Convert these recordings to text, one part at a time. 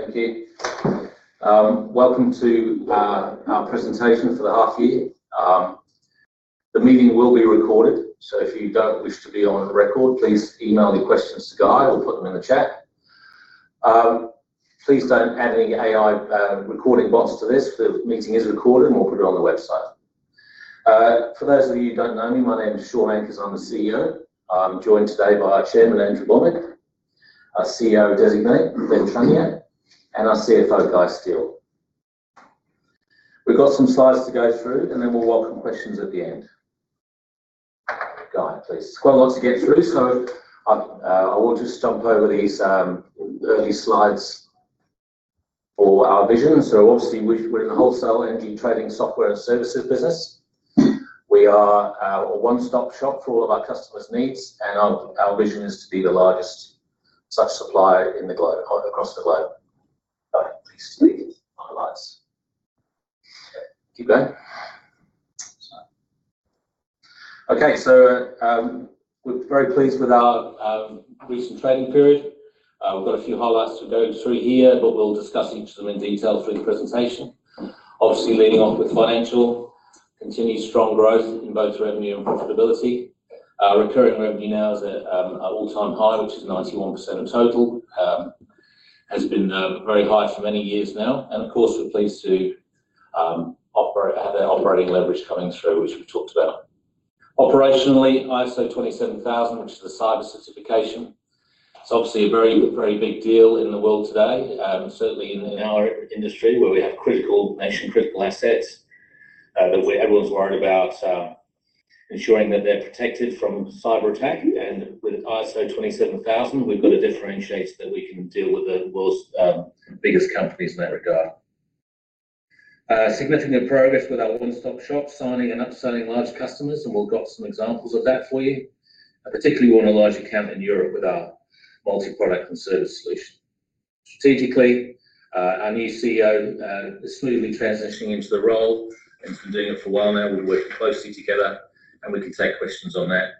Thank you. Welcome to our presentation for the half year. The meeting will be recorded, so if you don't wish to be on the record, please email your questions to Guy or put them in the chat. Please don't add any AI recording bots to this. The meeting is recorded. We'll put it on the website. For those of you who don't know me, my name is Shaun Ankers. I'm the CEO. I'm joined today by our Chairman, Andrew Bonwick, our CEO Designate, Ben Tranier, and our CFO, Guy Steel. We've got some slides to go through. Then we'll welcome questions at the end. Guy, please. Quite a lot to get through, I'll just jump over these early slides for our vision. Obviously, we're in the wholesale energy trading, software, and services business. We are a one-stop shop for all of our customers' needs, and our vision is to be the largest such supplier in the globe, across the globe. Please delete the highlights. Keep going. We're very pleased with our recent trading period. We've got a few highlights to go through here, but we'll discuss each of them in detail through the presentation. Obviously, leading on with financial, continued strong growth in both revenue and profitability. Our recurring revenue now is at an all-time high, which is 91% of total. Has been very high for many years now, and of course, we're pleased to operate, have our operating leverage coming through, which we've talked about. Operationally, ISO/IEC 27000, which is a cyber certification. It's obviously a very, very big deal in the world today, certainly in our industry, where we have critical, nation-critical assets, that everyone's worried about, ensuring that they're protected from cyberattack, and with ISO/IEC 27000, we've got a differentiator that we can deal with the world's biggest companies in that regard. Significant progress with our one-stop-shop, signing and upselling large customers. We've got some examples of that for you. Particularly, we won a large account in Europe with our multi-product and service solution. Strategically, our new CEO is smoothly transitioning into the role and has been doing it for a while now. We work closely together. We can take questions on that.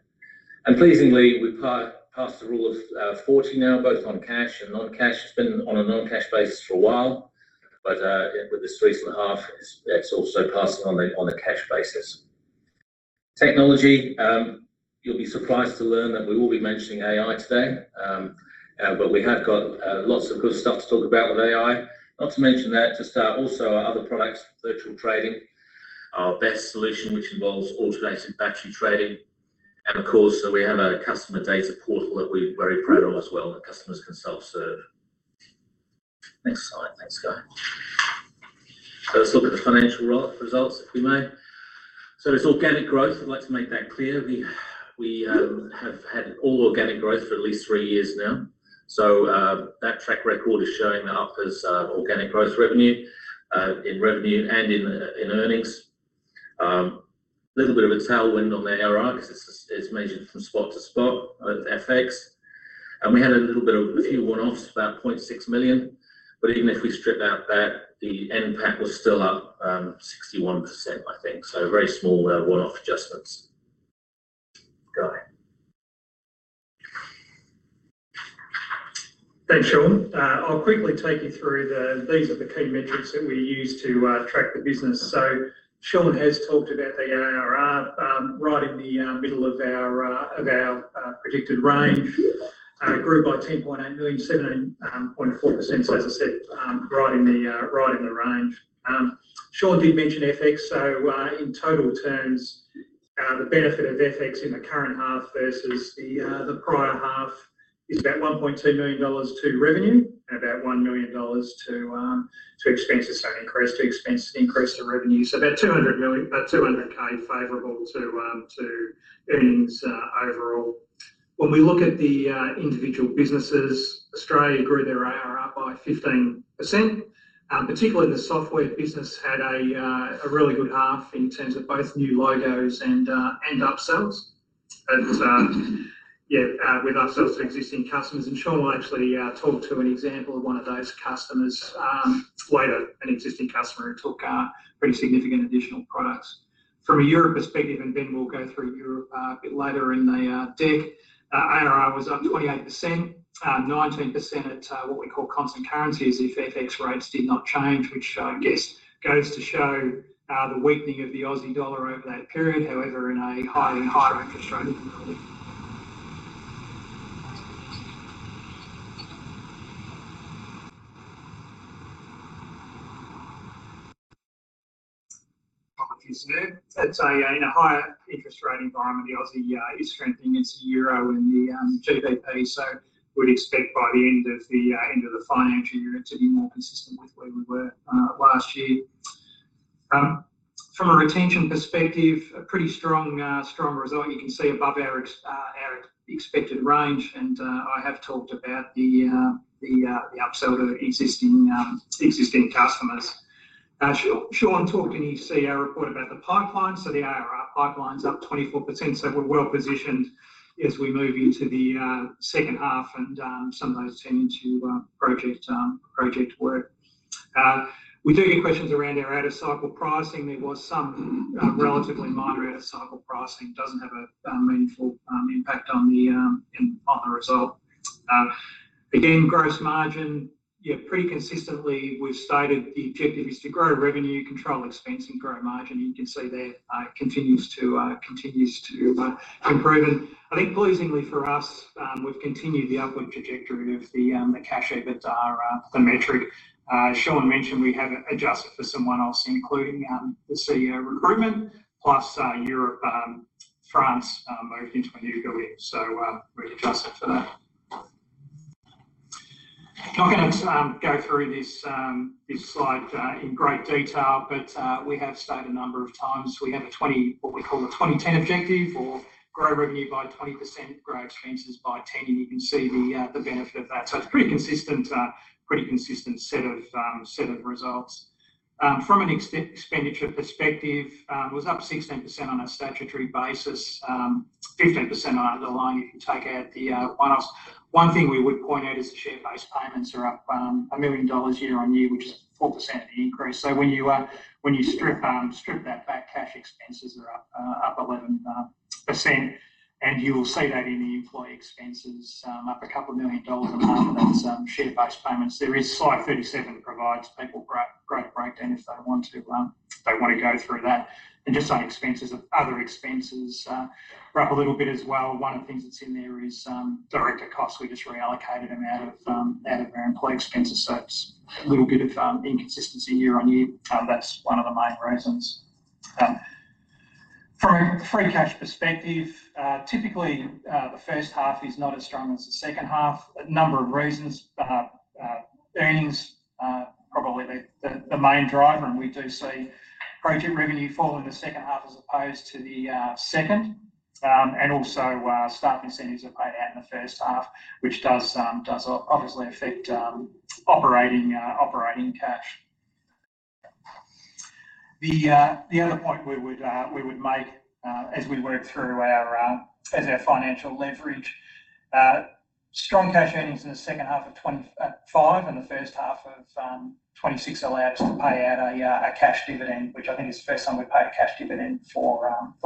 Pleasingly, we've passed the Rule of 40 now, both on cash and non-cash. It's been on a non-cash basis for a while. With this 3.5, it's also passed on a cash basis. Technology, you'll be surprised to learn that we will be mentioning AI today, but we have got lots of good stuff to talk about with AI. Not to mention that, to start, also our other products, virtual trading, our BESS solution, which involves automated battery trading. Of course, we have a customer data portal that we're very proud of as well, and customers can self-serve. Next slide. Thanks, Guy. Let's look at the financial results, if we may. It's organic growth. I'd like to make that clear. We have had all organic growth for at least three years now. That track record is showing up as organic growth revenue in revenue and in earnings. Little bit of a tailwind on the ARR, 'cause it's measured from spot to spot FX. We had a little bit of a few one-offs, about 0.6 million, but even if we strip out that, the impact was still up 61%, I think. Very small one-off adjustments. Guy? Thanks, Shaun. I'll quickly take you through these are the key metrics that we use to track the business. Shaun has talked about the ARR, right in the middle of our predicted range. It grew by 10.8 million, 17.4% as I said, right in the range. Shaun did mention FX, in total terms, the benefit of FX in the current half versus the prior half is about 1.2 million dollars to revenue and about 1 million dollars to expenses, increase to expenses, increase to revenue. About 200,000 favorable to earnings overall. When we look at the individual businesses, Australia grew their ARR up by 15%. Particularly the software business had a really good half in terms of both new logos and upsells, and yeah, with upsells to existing customers, and Shaun will actually talk to an example of one of those customers, quite an existing customer who took pretty significant additional products. From a Europe perspective, and Ben will go through Europe a bit later in the deck, ARR was up 28%, 19% at what we call constant currencies, if FX rates did not change, which I guess goes to show the weakening of the Aussie dollar over that period. In a high, high interest rate environment- Isn't it? That's a, in a higher interest rate environment, the Aussie is strengthening its euro and the GBP. We'd expect by the end of the financial year to be more consistent with where we were last year. From a retention perspective, a pretty strong result. You can see above our expected range. I have talked about the upsell to existing customers. Shaun talked in his CR report about the pipeline. The ARR pipeline's up 24%. We're well-positioned as we move into the second half, and some of those turn into project work. We do get questions around our out-of-cycle pricing. There was some relatively minor out-of-cycle pricing. Doesn't have a meaningful impact on the result. Again, gross margin, yeah, pretty consistently, we've stated the objective is to grow revenue, control expense, and grow margin. You can see there, it continues to improve. I think pleasingly for us, we've continued the upward trajectory of the cash EBITDA metric. Shaun mentioned we have adjusted for some one-offs, including the CEO recruitment, plus Europe, France, moved into a new go-live. We've adjusted for that. I'm not gonna go through this slide in great detail, but we have stated a number of times, we have a 20... what we call a 20/10 objective, or grow revenue by 20%, grow expenses by 10%, and you can see the benefit of that. It's a pretty consistent, pretty consistent set of results. From an expenditure perspective, it was up 16% on a statutory basis, 15% on the line if you take out the one-offs. One thing we would point out is the share-based payments are up 1 million dollars year-on-year, which is a 4% increase. When you strip that back, cash expenses are up 11%, and you will see that in the employee expenses, up a couple of million dollars on some share-based payments. There is slide 37 that provides people a great breakdown if they want to go through that. Just on expenses, other expenses were up a little bit as well. One of the things that's in there is director costs. We just reallocated them out of our employee expenses. It's a little bit of inconsistency year-on-year. That's one of the main reasons. From a free cash perspective, typically, the first half is not as strong as the second half. A number of reasons, earnings, probably the main driver, and we do see project revenue fall in the second half as opposed to the second. Also, staff incentives are paid out in the first half, which does obviously affect operating cash. The other point we would make as we work through our as our financial leverage, strong cash earnings in the second half of 2025 and the first half of 2026 allowed us to pay out a a cash dividend, which I think is the first time we paid a cash dividend for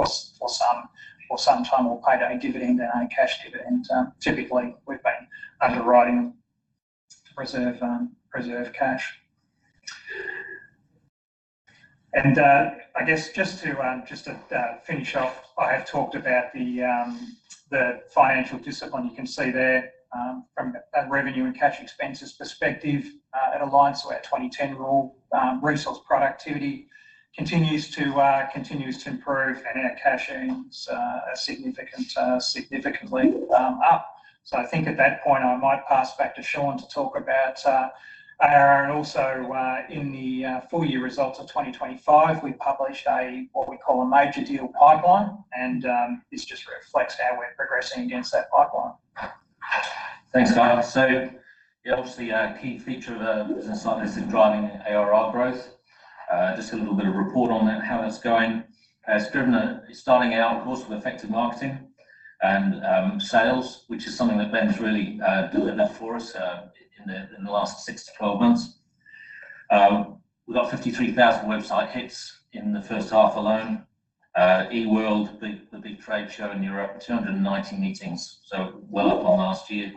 some time. We've paid a dividend and a cash dividend. Typically, we've been underwriting reserve cash. I guess just to finish off, I have talked about the financial discipline. You can see there from a revenue and cash expenses perspective, it aligns to our 20/10 rule. Resource productivity continues to improve, and our cash earnings are significant significantly up. I think at that point, I might pass back to Shaun to talk about ARR and also, in the full-year results of 2025, we published a, what we call a major deal pipeline, and this just reflects how we're progressing against that pipeline. Thanks, Guy. Obviously, a key feature of the business line is in driving ARR growth. Just a little bit of report on that, how that's going. It's driven a, starting out, of course, with effective marketing and sales, which is something that Ben's really doing that for us in the last six to 12 months. We got 53,000 website hits in the first half alone. E-world, the big trade show in Europe, 290 meetings, so well upon last year.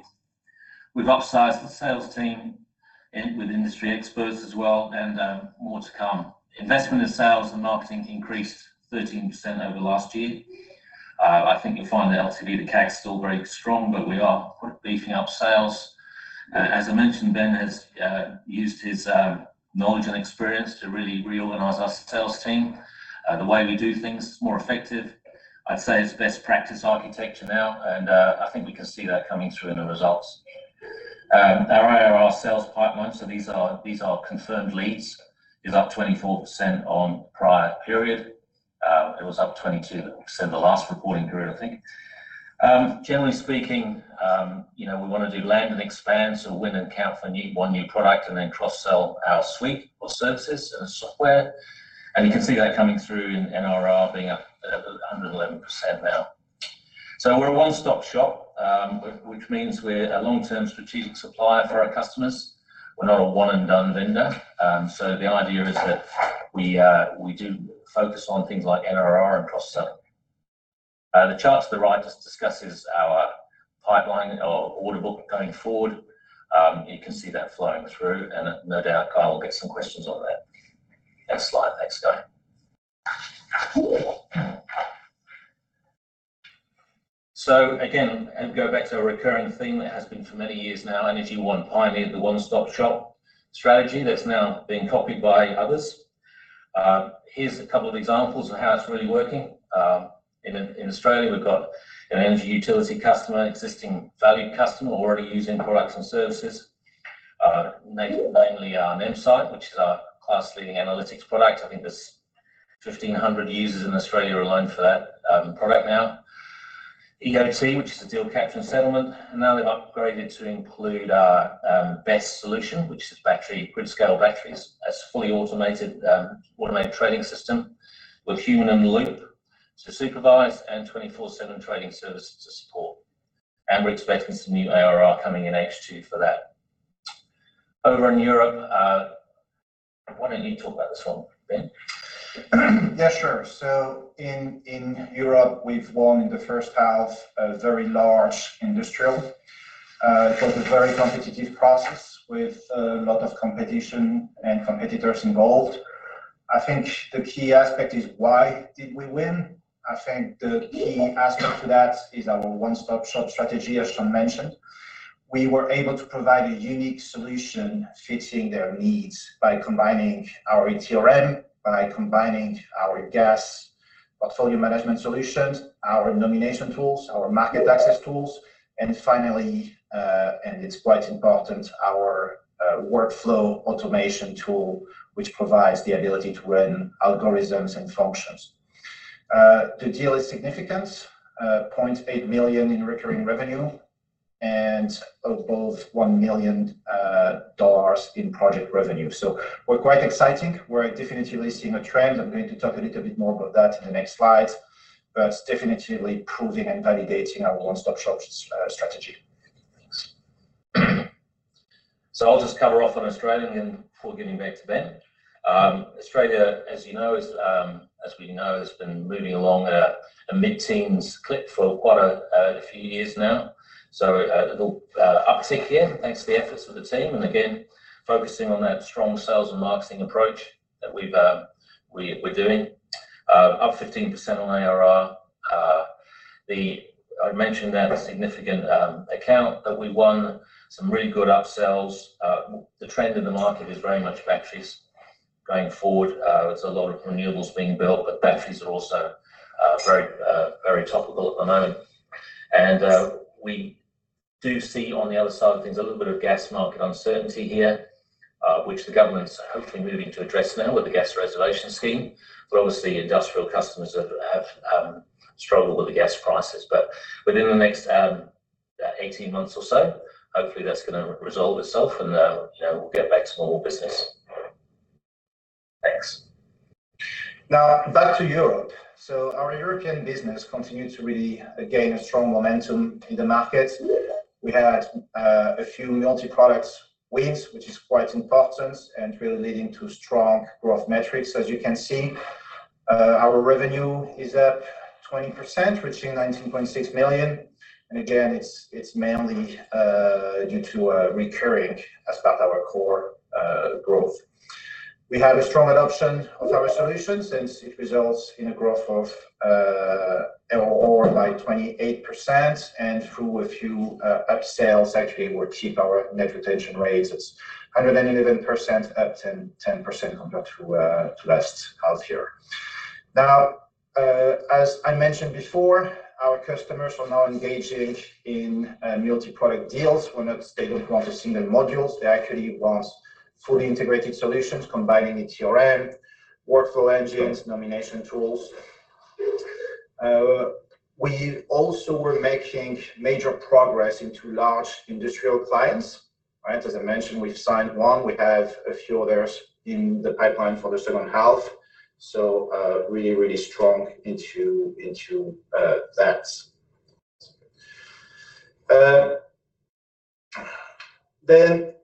We've upsized the sales team with industry experts as well, and more to come. Investment in sales and marketing increased 13% over last year. I think you'll find the LTV, the CAC is still very strong, but we are beefing up sales. As I mentioned, Ben has used his knowledge and experience to really reorganize our sales team. The way we do things is more effective. I'd say it's best practice architecture now, I think we can see that coming through in the results. Our ARR sales pipeline, so these are confirmed leads, is up 24% on prior period. It was up 22% the last reporting period, I think. Generally speaking, you know, we wanna do land and expand, so win an account for one new product and then cross-sell our suite of services and software. You can see that coming through in NRR being up 111% now. We're a one-stop shop, which means we're a long-term strategic supplier for our customers. We're not a one-and-done vendor. The idea is that we do focus on things like NRR and cross-selling. The chart to the right just discusses our pipeline or order book going forward. You can see that flowing through, no doubt, Guy will get some questions on that. Next slide. Thanks, Guy. Again, go back to a recurring theme that has been for many years now, Energy One pioneered the one-stop-shop strategy that's now being copied by others. Here's a couple of examples of how it's really working. In Australia, we've got an energy utility customer, existing valued customer, already using products and services. Mainly, NemSight, which is our class-leading analytics product. I think there's 1,500 users in Australia alone for that product now. EOT, which is a deal capture and settlement. Now they've upgraded to include our BESS solution, which is battery, grid-scale batteries. That's a fully automated trading system with human in the loop to supervise and 24/7 trading services to support. We're expecting some new ARR coming in H2 for that. Over in Europe, why don't you talk about this one, Ben? Yeah, sure. In, in Europe, we've won in the first half a very large industrial. It was a very competitive process with a lot of competition and competitors involved. I think the key aspect is why did we win? I think the key aspect to that is our one-stop-shop strategy, as Shaun mentioned. We were able to provide a unique solution fitting their needs by combining our ETRM, by combining our gas portfolio management solutions, our nomination tools, our market access tools, and finally, and it's quite important, our workflow automation tool, which provides the ability to run algorithms and functions. The deal is significant, $0.8 million in recurring revenue and above $1 million in project revenue. We're quite exciting. We're definitely seeing a trend. I'm going to talk a little bit more about that in the next slide. It's definitely proving and validating our one-stop-shop strategy. Thanks. I'll just cover off on Australian before giving back to Ben. Australia, as you know, is, as we know, has been moving along at a mid-teens clip for quite a few years now. A little uptick here, thanks to the efforts of the team, and again, focusing on that strong sales and marketing approach that we're doing. Up 15% on ARR. I mentioned that significant account that we won, some really good upsells. The trend in the market is very much batteries going forward. There's a lot of renewables being built, but batteries are also very, very topical at the moment. We do see on the other side of things, a little bit of gas market uncertainty here, which the government's hopefully moving to address now with the gas reservation scheme. Obviously, industrial customers have struggled with the gas prices. Within the next 18 months or so, hopefully, that's gonna resolve itself and, you know, we'll get back to normal business. Thanks. Back to Europe. Our European business continued to really gain a strong momentum in the market. We had a few multi-product wins, which is quite important and really leading to strong growth metrics. As you can see, our revenue is up 20%, reaching 19.6 million, and again, it's mainly due to recurring. That's about our core growth. We had a strong adoption of our solutions, and it results in a growth of ARR by 28%, and through a few upsells, actually, which keep our net retention rates at 111%, up 10% compared to last half year. As I mentioned before, our customers are now engaging in multi-product deals. Well, they don't want the single modules. They actually want fully integrated solutions, combining ETRM, workflow engines, nomination tools. We also were making major progress into large industrial clients, right? As I mentioned, we've signed one. We have a few others in the pipeline for the second half, so, really, really strong into, that.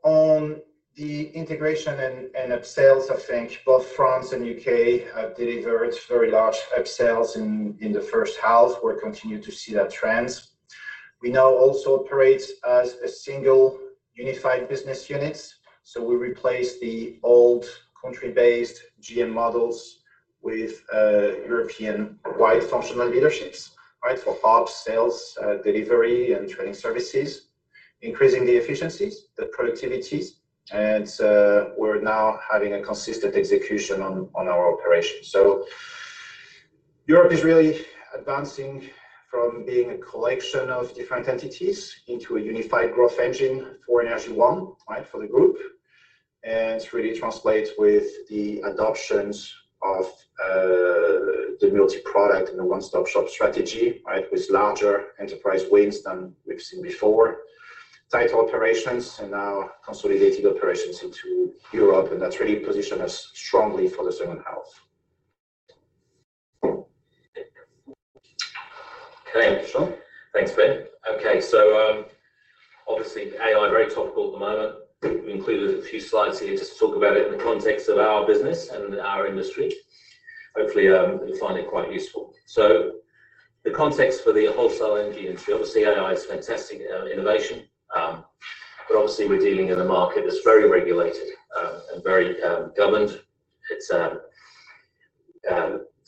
On the integration and upsells, I think both France and U.K. have delivered very large upsells in the first half. We'll continue to see that trend. We now also operate as a single unified business units, so we replaced the old country-based GM models with, European-wide functional leaderships, right? For ops, sales, delivery, and training services, increasing the efficiencies, the productivities, and, we're now having a consistent execution on our operations. Europe is really advancing from being a collection of different entities into a unified growth engine for Energy One, right, for the group. It really translates with the adoptions of the multi-product and the one-stop-shop strategy, right, with larger enterprise wins than we've seen before. Tighter operations and now consolidating operations into Europe. That really positions us strongly for the second half. Okay, Shaun. Thanks, Ben. Okay, obviously, AI, very topical at the moment. We included a few slides here just to talk about it in the context of our business and our industry. Hopefully, you'll find it quite useful. The context for the wholesale energy industry, obviously, AI is a fantastic innovation, but obviously, we're dealing in a market that's very regulated and very governed. It's,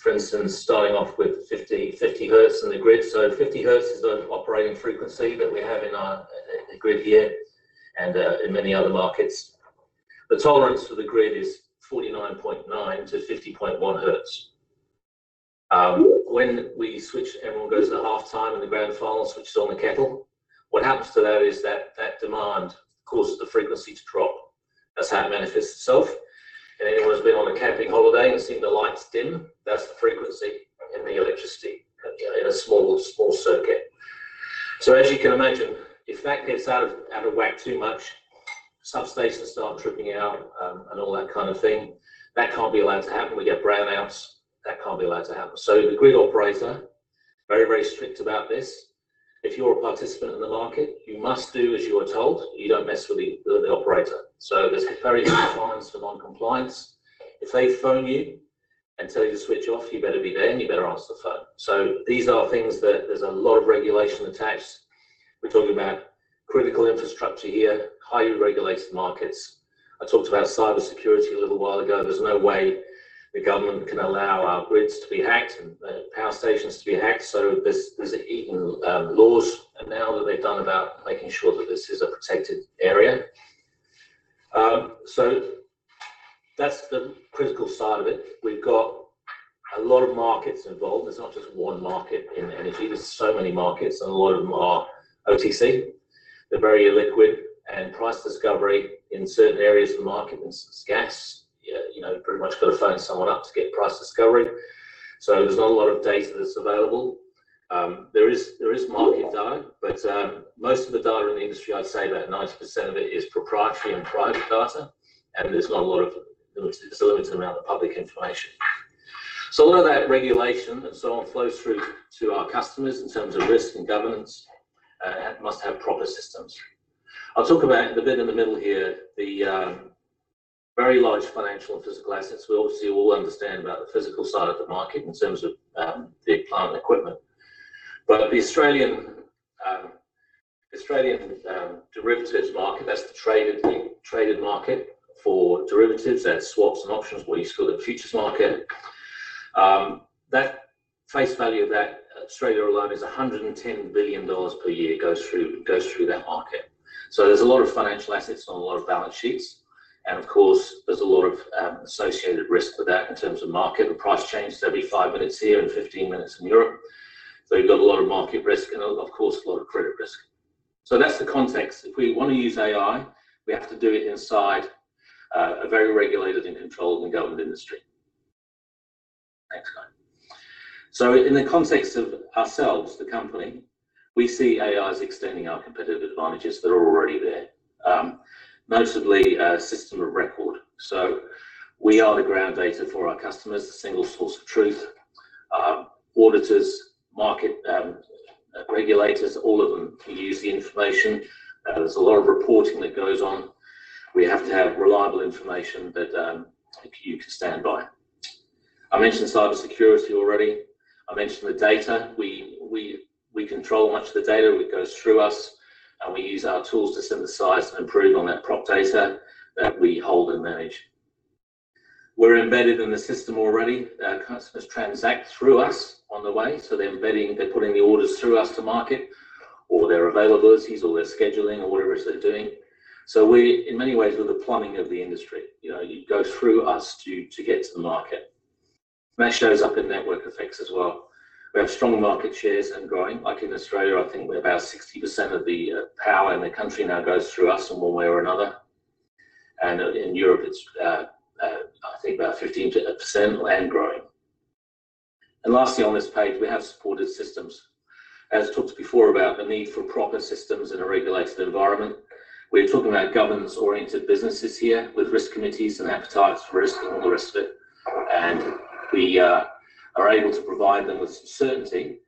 for instance, starting off with 50 Hz in the grid. 50 Hz is the operating frequency that we have in our, in the grid here and in many other markets. The tolerance for the grid is 49.9 hz to 50.1 hz. When we switch, everyone goes to half-time in the grand final, switches on the kettle. What happens to that is that demand causes the frequency to drop. That's how it manifests itself. Anyone who's been on a camping holiday and seen the lights dim, that's the frequency in the electricity in a small circuit. As you can imagine, if that gets out of whack too much, substations start tripping out, and all that kind of thing. That can't be allowed to happen. We get brownouts, that can't be allowed to happen. The grid operator is very, very strict about this. If you're a participant in the market, you must do as you are told. You don't mess with the operator. There's very fines for non-compliance. If they phone you and tell you to switch off, you better be there, and you better answer the phone. These are things that there's a lot of regulation attached. We're talking about critical infrastructure here, highly regulated markets. I talked about cybersecurity a little while ago. There's no way the government can allow our grids to be hacked and power stations to be hacked. There's even laws now that they've done about making sure that this is a protected area. That's the critical side of it. We've got a lot of markets involved. There's not just one market in energy. There's so many markets, and a lot of them are OTC. They're very illiquid, and price discovery in certain areas of the market is scarce. Yeah, you know, pretty much got to phone someone up to get price discovery. There's not a lot of data that's available. There is market data, but most of the data in the industry, I'd say about 90% of it, is proprietary and private data, and there's not a lot of. There's a limited amount of public information. A lot of that regulation and so on, flows through to our customers in terms of risk and governance, and must have proper systems. I'll talk about, in the bit in the middle here, the very large financial and physical assets. We obviously all understand about the physical side of the market in terms of the plant and equipment. The Australian derivatives market, that's the traded market for derivatives. That's swaps and options, what you call the futures market. That face value of that, Australia alone, is 110 billion dollars per year goes through, goes through that market. There's a lot of financial assets on a lot of balance sheets, and of course, there's a lot of associated risk with that in terms of market and price changes. They'll be five minutes here and 15 minutes in Europe. You've got a lot of market risk and, of course, a lot of credit risk. That's the context. If we want to use AI, we have to do it inside a very regulated and controlled and governed industry. Next slide. In the context of ourselves, the company, we see AI as extending our competitive advantages that are already there, notably, system of record. We are the ground data for our customers, the single source of truth. Auditors, market, regulators, all of them use the information. There's a lot of reporting that goes on. We have to have reliable information that you can stand by. I mentioned cybersecurity already. I mentioned the data. We control much of the data that goes through us, and we use our tools to synthesize and improve on that prop data that we hold and manage. We're embedded in the system already. Our customers transact through us on the way. They're putting the orders through us to market, or their availabilities, or their scheduling, or whatever it is they're doing. We, in many ways, we're the plumbing of the industry. You know, you go through us to get to the market. That shows up in network effects as well. We have strong market shares and growing. Like in Australia, I think we're about 60% of the power in the country now goes through us in one way or another, and in Europe, it's, I think about 15% and growing. Lastly, on this page, we have supported systems. As talked before about the need for proper systems in a regulated environment, we're talking about governance-oriented businesses here with risk committees and appetites for risk and all the rest of it. We are able to provide them with certainty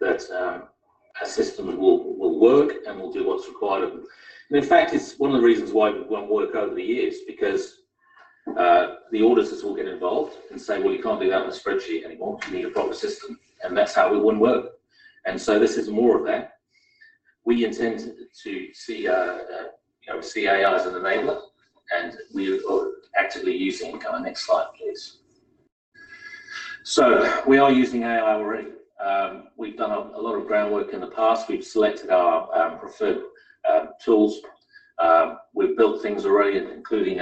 that a system will work and will do what's required of them. In fact, it's one of the reasons why we've won work over the years, because the auditors will get involved and say, "Well, you can't do that on a spreadsheet anymore. You need a proper system." That's how we won work. This is more of that. We intend to see, you know, we see AI as an enabler, and we are actively using it. Next slide, please. We are using AI already. We've done a lot of groundwork in the past. We've selected our preferred tools. We've built things already, including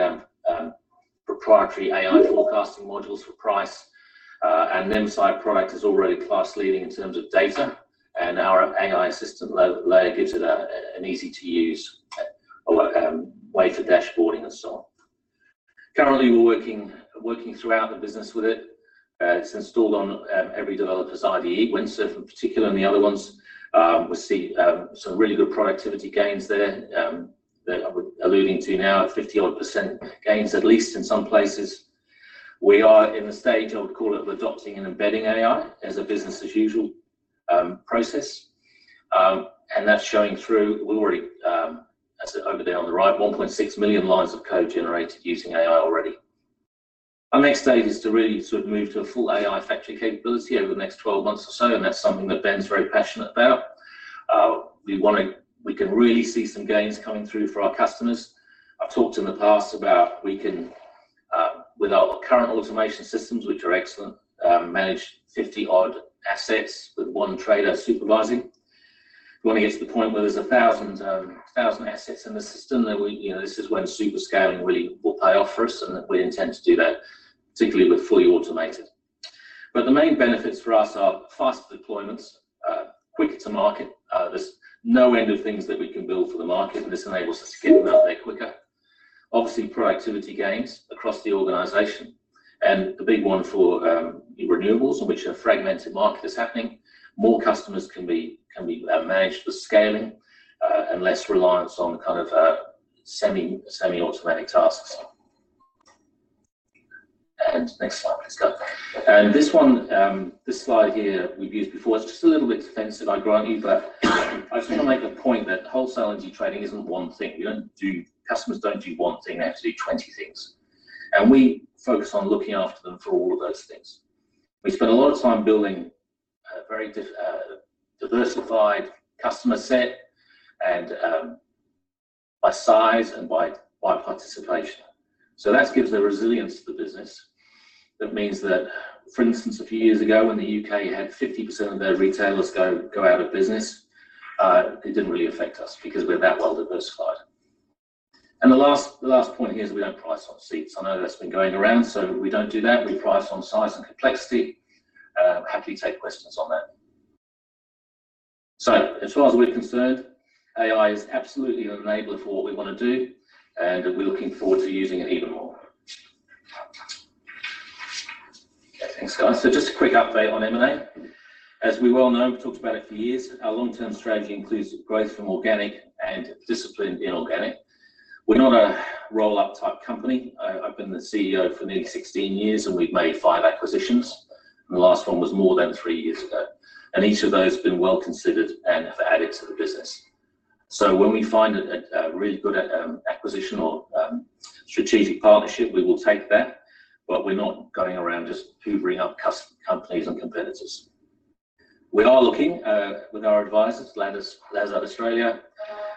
proprietary AI forecasting modules for price. The inside product is already class-leading in terms of data, and our AI system lay-layer gives it an easy-to-use way for dashboarding and so on. Currently, we're working throughout the business with it. It's installed on every developer's IDE, Windsurf in particular, and the other ones. We're seeing some really good productivity gains there, that I'm alluding to now, 50 odd percent gains, at least in some places. We are in the stage, I would call it, adopting and embedding AI as a business as usual process. That's showing through. We've already, as over there on the right, 1.6 million lines of code generated using AI already. Our next stage is to really sort of move to a full AI factory capability over the next 12 months or so, and that's something that Ben's very passionate about. We can really see some gains coming through for our customers. I've talked in the past about we can, with our current automation systems, which are excellent, manage 50 odd assets with one trader supervising. We want to get to the point where there's 1,000 assets in the system that we, you know, this is when super scaling really will pay off for us, and we intend to do that, particularly with fully automated. The main benefits for us are faster deployments, quicker to market. There's no end of things that we can build for the market, and this enables us to get them out there quicker. Obviously, productivity gains across the organization. The big one for the renewables, which are fragmented market, is happening. More customers can be managed for scaling, and less reliance on the kind of semi-automatic tasks. Next slide, please go. This one, this slide here we've used before, it's just a little bit defensive, I grant you, but I just want to make a point that wholesale energy trading isn't one thing. Customers don't do one thing, they have to do 20 things, and we focus on looking after them for all of those things. We spend a lot of time building a very diversified customer set and by size and by participation. That gives a resilience to the business. That means that, for instance, a few years ago, when the U.K. had 50% of their retailers go out of business, it didn't really affect us because we're that well-diversified. The last point here is we don't price on seats. I know that's been going around, so we don't do that. We price on size and complexity. Happy to take questions on that. As far as we're concerned, AI is absolutely an enabler for what we want to do, and we're looking forward to using it even more. Thanks, guys. Just a quick update on M&A. As we well know, we've talked about it for years, our long-term strategy includes growth from organic and discipline in organic. We're not a roll-up type company. I've been the CEO for nearly 16 years, and we've made five acquisitions, and the last one was more than three years ago, and each of those have been well considered and have added to the business. When we find a really good acquisition or strategic partnership, we will take that, but we're not going around just hoovering up companies and competitors. We are looking with our advisors, Lazard Australia.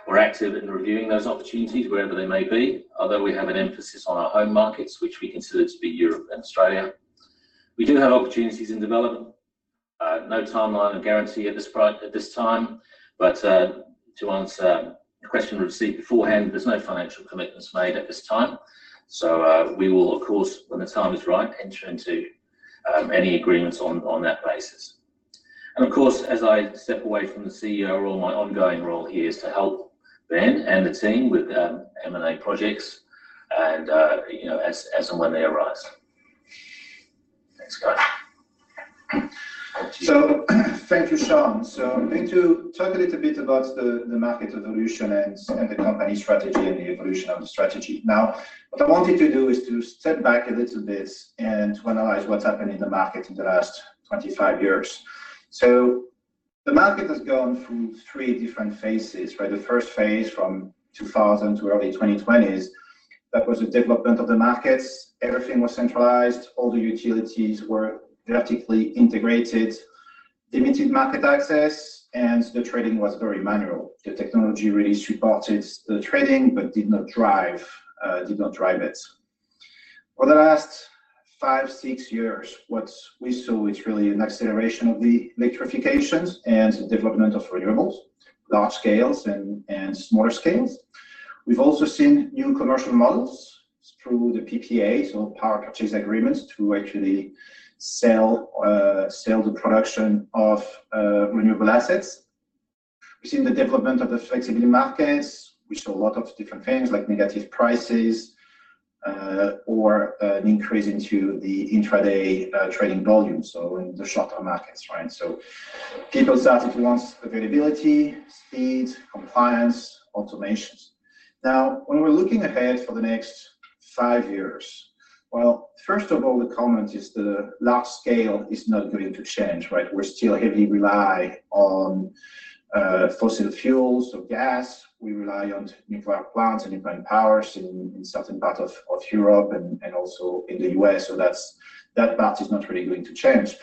We're active in reviewing those opportunities wherever they may be, although we have an emphasis on our home markets, which we consider to be Europe and Australia. We do have opportunities in development, no timeline or guarantee at this time, but to answer a question we received beforehand, there's no financial commitments made at this time. We will, of course, when the time is right, enter into any agreements on that basis. Of course, as I step away from the CEO role, my ongoing role here is to help Ben and the team with M&A projects and, you know, as and when they arise. Thanks, guys. Thank you, Shaun. I'm going to talk a little bit about the market evolution and the company strategy and the evolution of the strategy. What I wanted to do is to step back a little bit and to analyze what's happened in the market in the last 25 years. The market has gone through three different phases, right? The first phase, from 2000 to early 2020s, that was the development of the markets. Everything was centralized, all the utilities were vertically integrated, limited market access, and the trading was very manual. The technology really supported the trading but did not drive it. For the last five, six years, what we saw is really an acceleration of the electrifications and development of renewables, large scales and smaller scales. We've also seen new commercial models through the PPAs or Power Purchase Agreements, to actually sell the production of renewable assets. We've seen the development of the flexibility markets. We saw a lot of different things, like negative prices, or an increase into the intraday trading volume, so in the shorter markets, right? People started to want availability, speed, compliance, automations. When we're looking ahead for the next five years, well, first of all, the comment is the large scale is not going to change, right? We still heavily rely on fossil fuels, so gas, we rely on nuclear plants and nuclear powers in certain parts of Europe and also in the U.S. That part is not really going to change.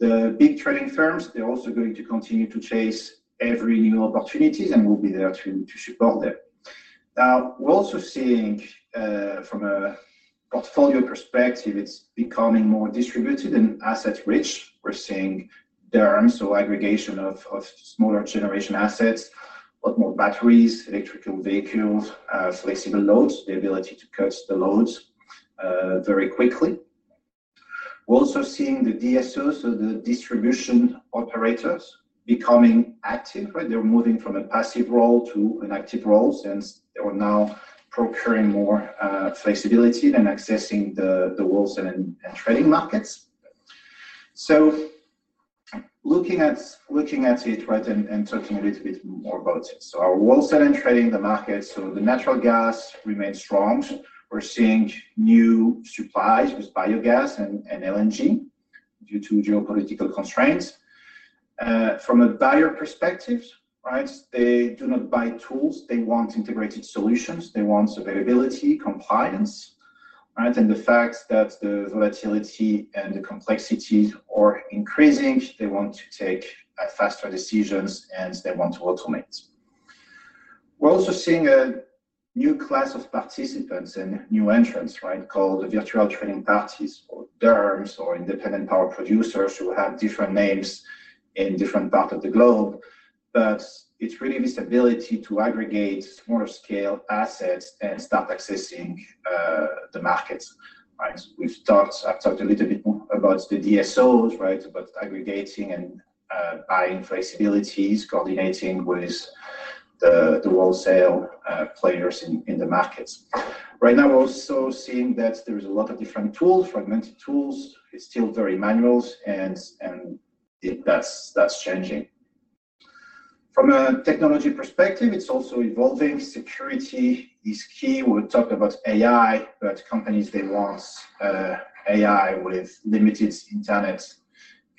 The big trading firms, they're also going to continue to chase every new opportunities, and we'll be there to support them. We're also seeing from a portfolio perspective, it's becoming more distributed and asset-rich. We're seeing DERMS, so aggregation of smaller generation assets, a lot more batteries, electrical vehicles, flexible loads, the ability to cut the loads very quickly. We're also seeing the DSOs, so the distribution operators, becoming active, right? They're moving from a passive role to an active role, since they are now procuring more flexibility than accessing the wholesale and trading markets. Looking at it, right, and talking a little bit more about it. Our wholesale and trading the market, so the natural gas remains strong. We're seeing new supplies with biogas and LNG due to geopolitical constraints. From a buyer perspective, right, they do not buy tools. They want integrated solutions. They want availability, compliance, right. The fact that the volatility and the complexities are increasing, they want to take faster decisions, and they want to automate. We're also seeing a new class of participants and new entrants, right, called the Virtual Trading Parties, or DERMS, or independent power producers, who have different names in different parts of the globe. It's really this ability to aggregate smaller scale assets and start accessing the markets, right. We've talked, I've talked a little bit about the DSO, right. About aggregating and buying flexibilities, coordinating with the wholesale players in the markets. Now, we're also seeing that there is a lot of different tools, fragmented tools. It's still very manual, and that's changing. From a technology perspective, it's also evolving. Security is key. We talked about AI, companies, they want AI with limited internet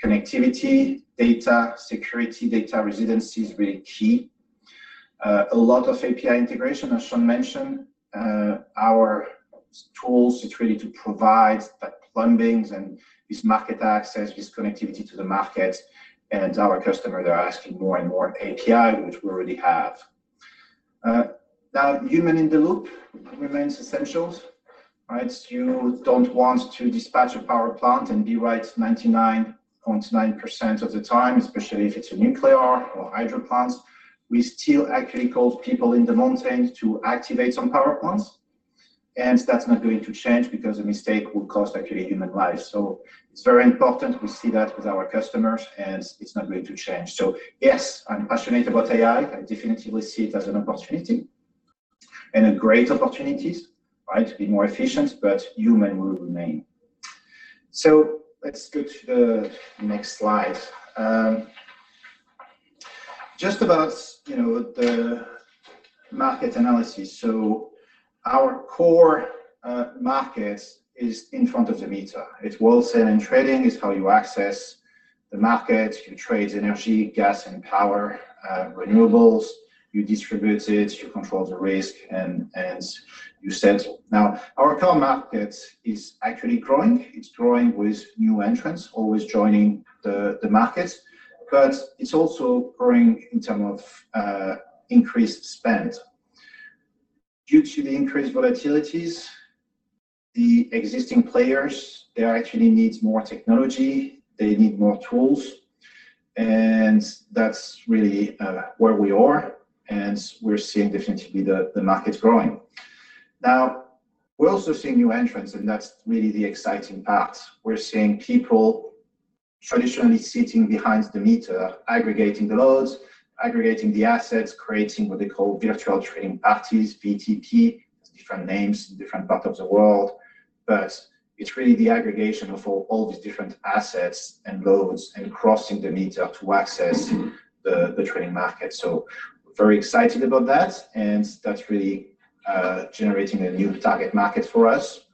connectivity, data security, data residency is really key. A lot of API integration, as Shaun mentioned, our tools, it's really to provide that plumbings and this market access, this connectivity to the market, and our customer, they're asking more and more API, which we already have. Now, human in the loop remains essential, right? You don't want to dispatch a power plant, and be right 99.9% of the time, especially if it's a nuclear or hydro plants. We still actually call people in the mountains to activate some power plants, and that's not going to change because a mistake will cost actually human life. It's very important we see that with our customers, and it's not going to change. Yes, I'm passionate about AI. I definitely see it as an opportunity and a great opportunity, right, to be more efficient, but human will remain. Let's go to the next slide. Just about, you know, the market analysis. Our core market is in front of the meter. It's wholesale, and trading is how you access the market. You trade energy, gas, and power, renewables, you distribute it, you control the risk, and you settle. Our core market is actually growing. It's growing with new entrants always joining the market, but it's also growing in terms of increased spend. Due to the increased volatilities, the existing players, they actually need more technology, they need more tools, and that's really where we are, and we're seeing definitely the market growing. We're also seeing new entrants, and that's really the exciting part. We're seeing people traditionally sitting behind the meter, aggregating the loads, aggregating the assets, creating what they call Virtual Trading Parties, VTP. Different names, different parts of the world, but it's really the aggregation of all these different assets and loads, and crossing the meter to access the trading market. We're very excited about that, and that's really generating a new target market for us.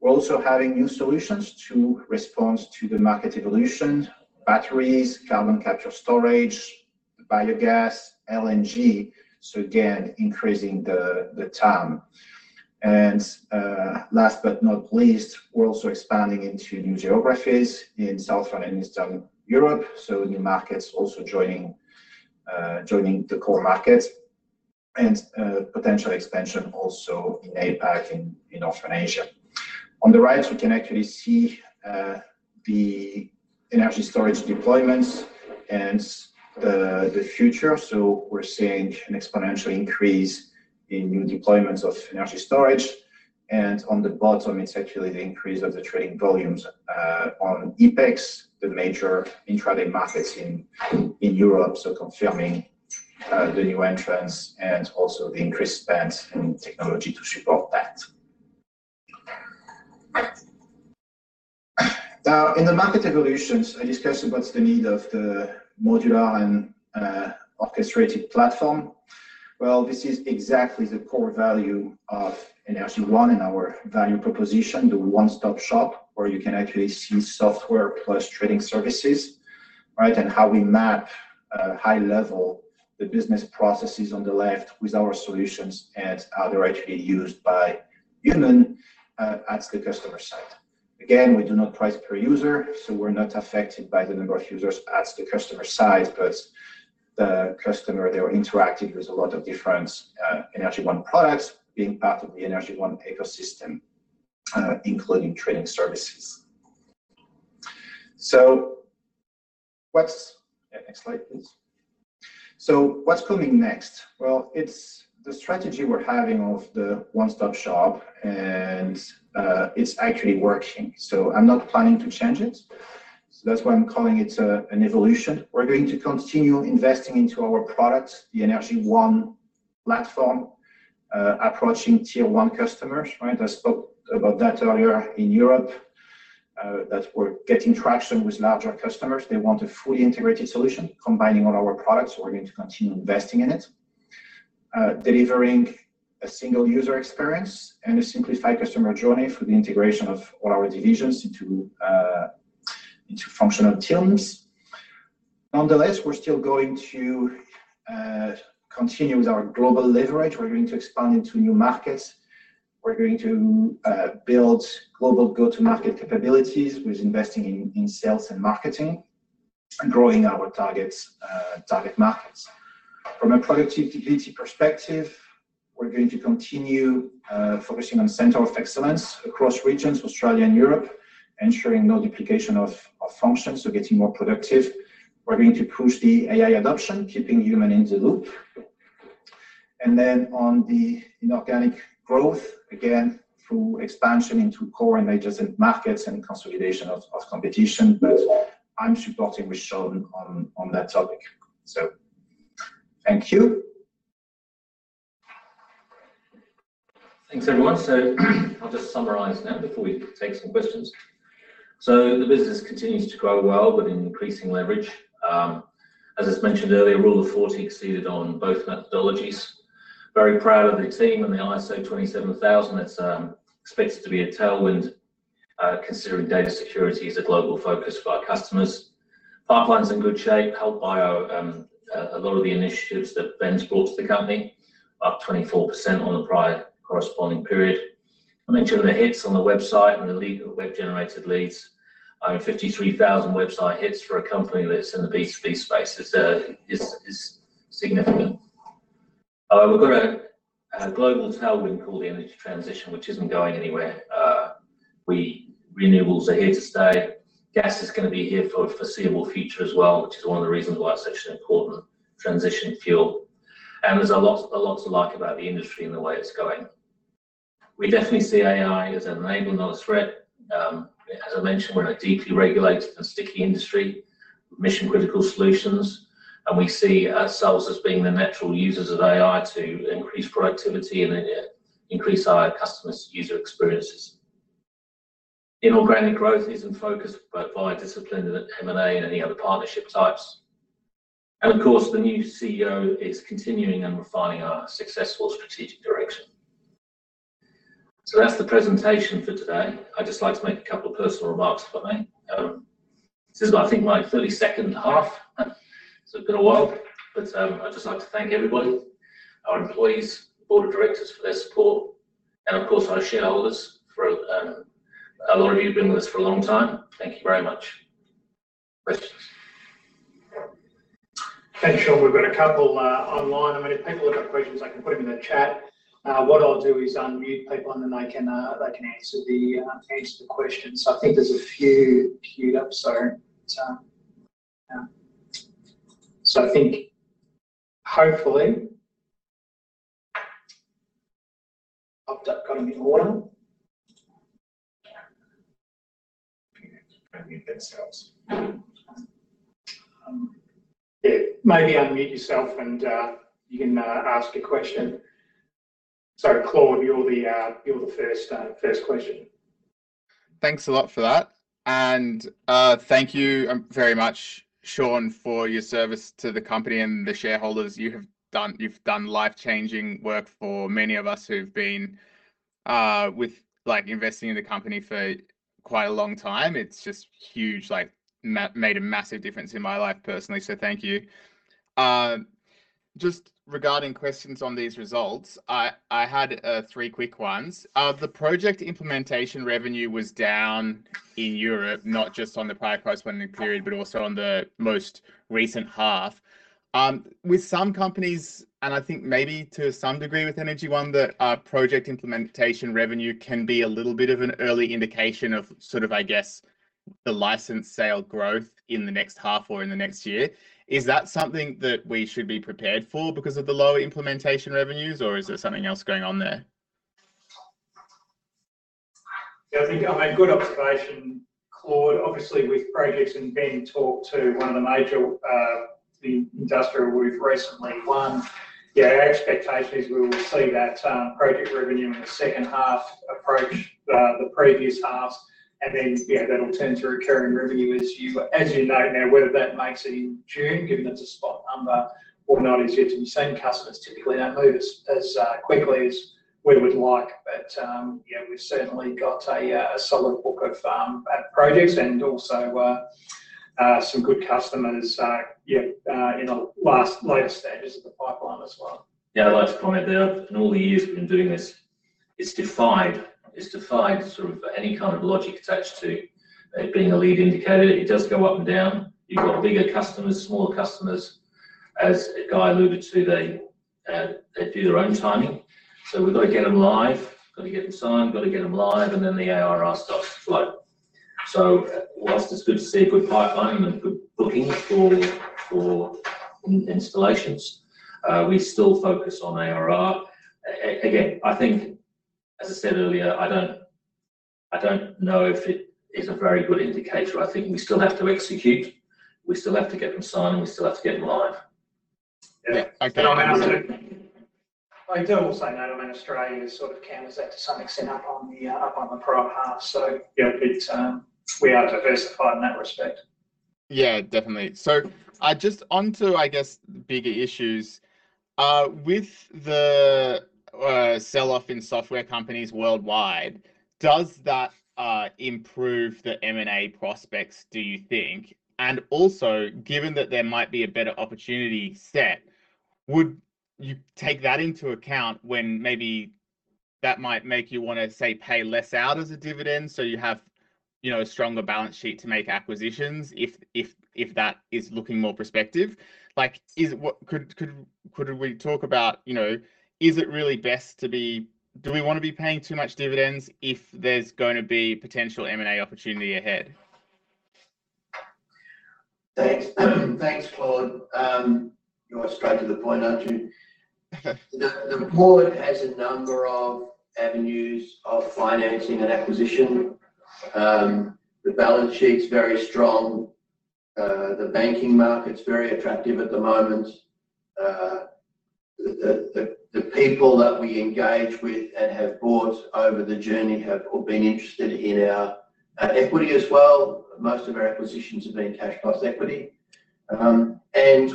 We're also having new solutions to respond to the market evolution, batteries, carbon capture and storage, biogas, LNG, so again, increasing the TAM. Last but not least, we're also expanding into new geographies in South and Eastern Europe, so new markets also joining the core market, and potential expansion also in APAC, in Oceania. On the right, we can actually see the energy storage deployments and the future. We're seeing an exponential increase in new deployments of energy storage, and on the bottom, it's actually the increase of the trading volumes on EPEX, the major intraday markets in Europe, confirming the new entrants and also the increased spend in technology to support that. Now, in the market evolutions, I discussed about the need of the modular and orchestrated platform. Well, this is exactly the core value of Energy One and our value proposition, the one-stop shop, where you can actually see software plus trading services, right? How we map high level, the business processes on the left with our solutions and how they're actually used by human at the customer site. Again, we do not price per user. We're not affected by the number of users at the customer site, but the customer, they are interacting with a lot of different Energy One products, being part of the Energy One ecosystem, including trading services. Next slide, please. What's coming next? Well, it's the strategy we're having of the one-stop shop, and it's actually working. I'm not planning to change it. That's why I'm calling it an evolution. We're going to continue investing into our products, the Energy One platform, approaching tier one customers, right? I spoke about that earlier in Europe, that we're getting traction with larger customers. They want a fully integrated solution, combining all our products. We're going to continue investing in it, delivering a single user experience and a simplified customer journey for the integration of all our divisions into functional teams. Nonetheless, we're still going to continue with our global leverage. We're going to expand into new markets. We're going to build global go-to-market capabilities with investing in sales and marketing, and growing our targets, target markets. From a productivity perspective, we're going to continue focusing on center of excellence across regions, Australia and Europe, ensuring no duplication of functions, so getting more productive. We're going to push the AI adoption, keeping human in the loop. On the inorganic growth, again, through expansion into core and adjacent markets and consolidation of competition. I'm supporting with Shaun on that topic, so thank you. Thanks, everyone. I'll just summarize now before we take some questions. The business continues to grow well, with increasing leverage. As is mentioned earlier, Rule of 40 exceeded on both methodologies. Very proud of the team and the ISO/IEC 27000. It's expected to be a tailwind, considering data security is a global focus for our customers. Pipeline's in good shape, helped by a lot of the initiatives that Ben's brought to the company, up 24% on the prior corresponding period. I mentioned the hits on the website and the web-generated leads. 53,000 website hits for a company that's in the B2B space is significant. We've got a global tailwind called the Energy Transition, which isn't going anywhere. Renewables are here to stay. Gas is going to be here for the foreseeable future as well, which is one of the reasons why it's such an important transition fuel. There's a lot to like about the industry and the way it's going. We definitely see AI as an enabler, not a threat. As I mentioned, we're in a deeply regulated and sticky industry, mission-critical solutions, and we see ourselves as being the natural users of AI to increase productivity and then increase our customers' user experiences. Inorganic growth is in focus, both via discipline and M&A any other partnership types. Of course, the new CEO is continuing and refining our successful strategic direction. That's the presentation for today. I'd just like to make a couple of personal remarks if I may. This is, I think, my 32nd half. It's been a while. I'd just like to thank everybody, our employees, Board of Directors, for their support. Of course, our shareholders, for a lot of you have been with us for a long time. Thank you very much. Questions? Thanks, Shaun. We've got a couple online. I mean, if people have got questions, they can put them in the chat. What I'll do is unmute people, and then they can answer the questions. I think there's a few queued up, yeah. I think hopefully, popped up quite a few more. Unmute themselves. Yeah, maybe unmute yourself, and you can ask a question. Claude, you're the first question. Thanks a lot for that. Thank you very much, Shaun, for your service to the company and the shareholders. You've done life-changing work for many of us who've been, like, investing in the company for quite a long time. It's just huge, like, made a massive difference in my life personally. Thank you. Just regarding questions on these results, I had three quick ones. The project implementation revenue was down in Europe, not just on the prior corresponding period, but also on the most recent half. With some companies, and I think maybe to some degree with Energy One, that project implementation revenue can be a little bit of an early indication of sort of, I guess, the license sale growth in the next half or in the next year. Is that something that we should be prepared for because of the lower implementation revenues, or is there something else going on there? I think good observation, Claude. Obviously, with projects and Ben talked to one of the major, the industrial we've recently won, our expectation is we will see that project revenue in the second half approach the previous half, and then that'll turn to recurring revenue as you know now. Whether that makes it in June, given that's a spot number or not, is yet to be seen. Customers typically don't move as quickly as we would like, but we've certainly got a solid book of projects and also some good customers in the later stages of the pipeline as well. Yeah, last comment there. In all the years we've been doing this, it's defied sort of any kind of logic attached to it being a lead indicator. It does go up and down. You've got bigger customers, smaller customers. As Guy alluded to, they do their own timing. We've got to get them live, got to get them signed, got to get them live, and then the ARR starts to flow. Whilst it's good to see a good pipeline and good bookings for installations, we still focus on ARR. Again, I think as I said earlier, I don't know if it is a very good indicator. I think we still have to execute, we still have to get them signed, and we still have to get them live. Yeah. Okay. I don't want to say no, I mean, Australia sort of counters that to some extent up on the up on the prior half. Yeah, it's, we are diversified in that respect. Yeah, definitely. Onto, I guess, bigger issues. With the sell-off in software companies worldwide, does that improve the M&A prospects, do you think? Also, given that there might be a better opportunity set, would you take that into account when maybe that might make you want to, say, pay less out as a dividend, so you have, you know, a stronger balance sheet to make acquisitions if that is looking more prospective? Like, could we talk about, you know, is it really do we want to be paying too much dividends if there's going to be potential M&A opportunity ahead? Thanks. Thanks, Claude. You are straight to the point, aren't you? The board has a number of avenues of financing and acquisition. The balance sheet's very strong, the banking market's very attractive at the moment. The people that we engage with and have brought over the journey have, or been interested in our equity as well. Most of our acquisitions have been cash plus equity.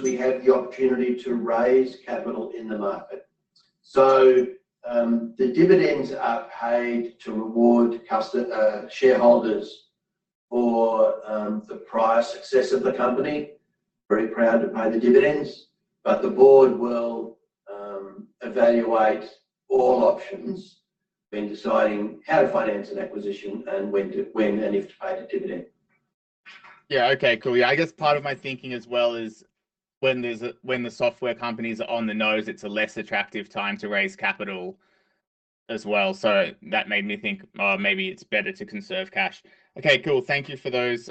We have the opportunity to raise capital in the market. The dividends are paid to reward customer shareholders for the prior success of the company. Very proud to pay the dividends, but the board will evaluate all options when deciding how to finance an acquisition and when and if to pay the dividend. Yeah, okay, cool. Yeah, I guess part of my thinking as well is when the software companies are on the nose, it's a less attractive time to raise capital as well. That made me think, oh, maybe it's better to conserve cash. Okay, cool. Thank you for those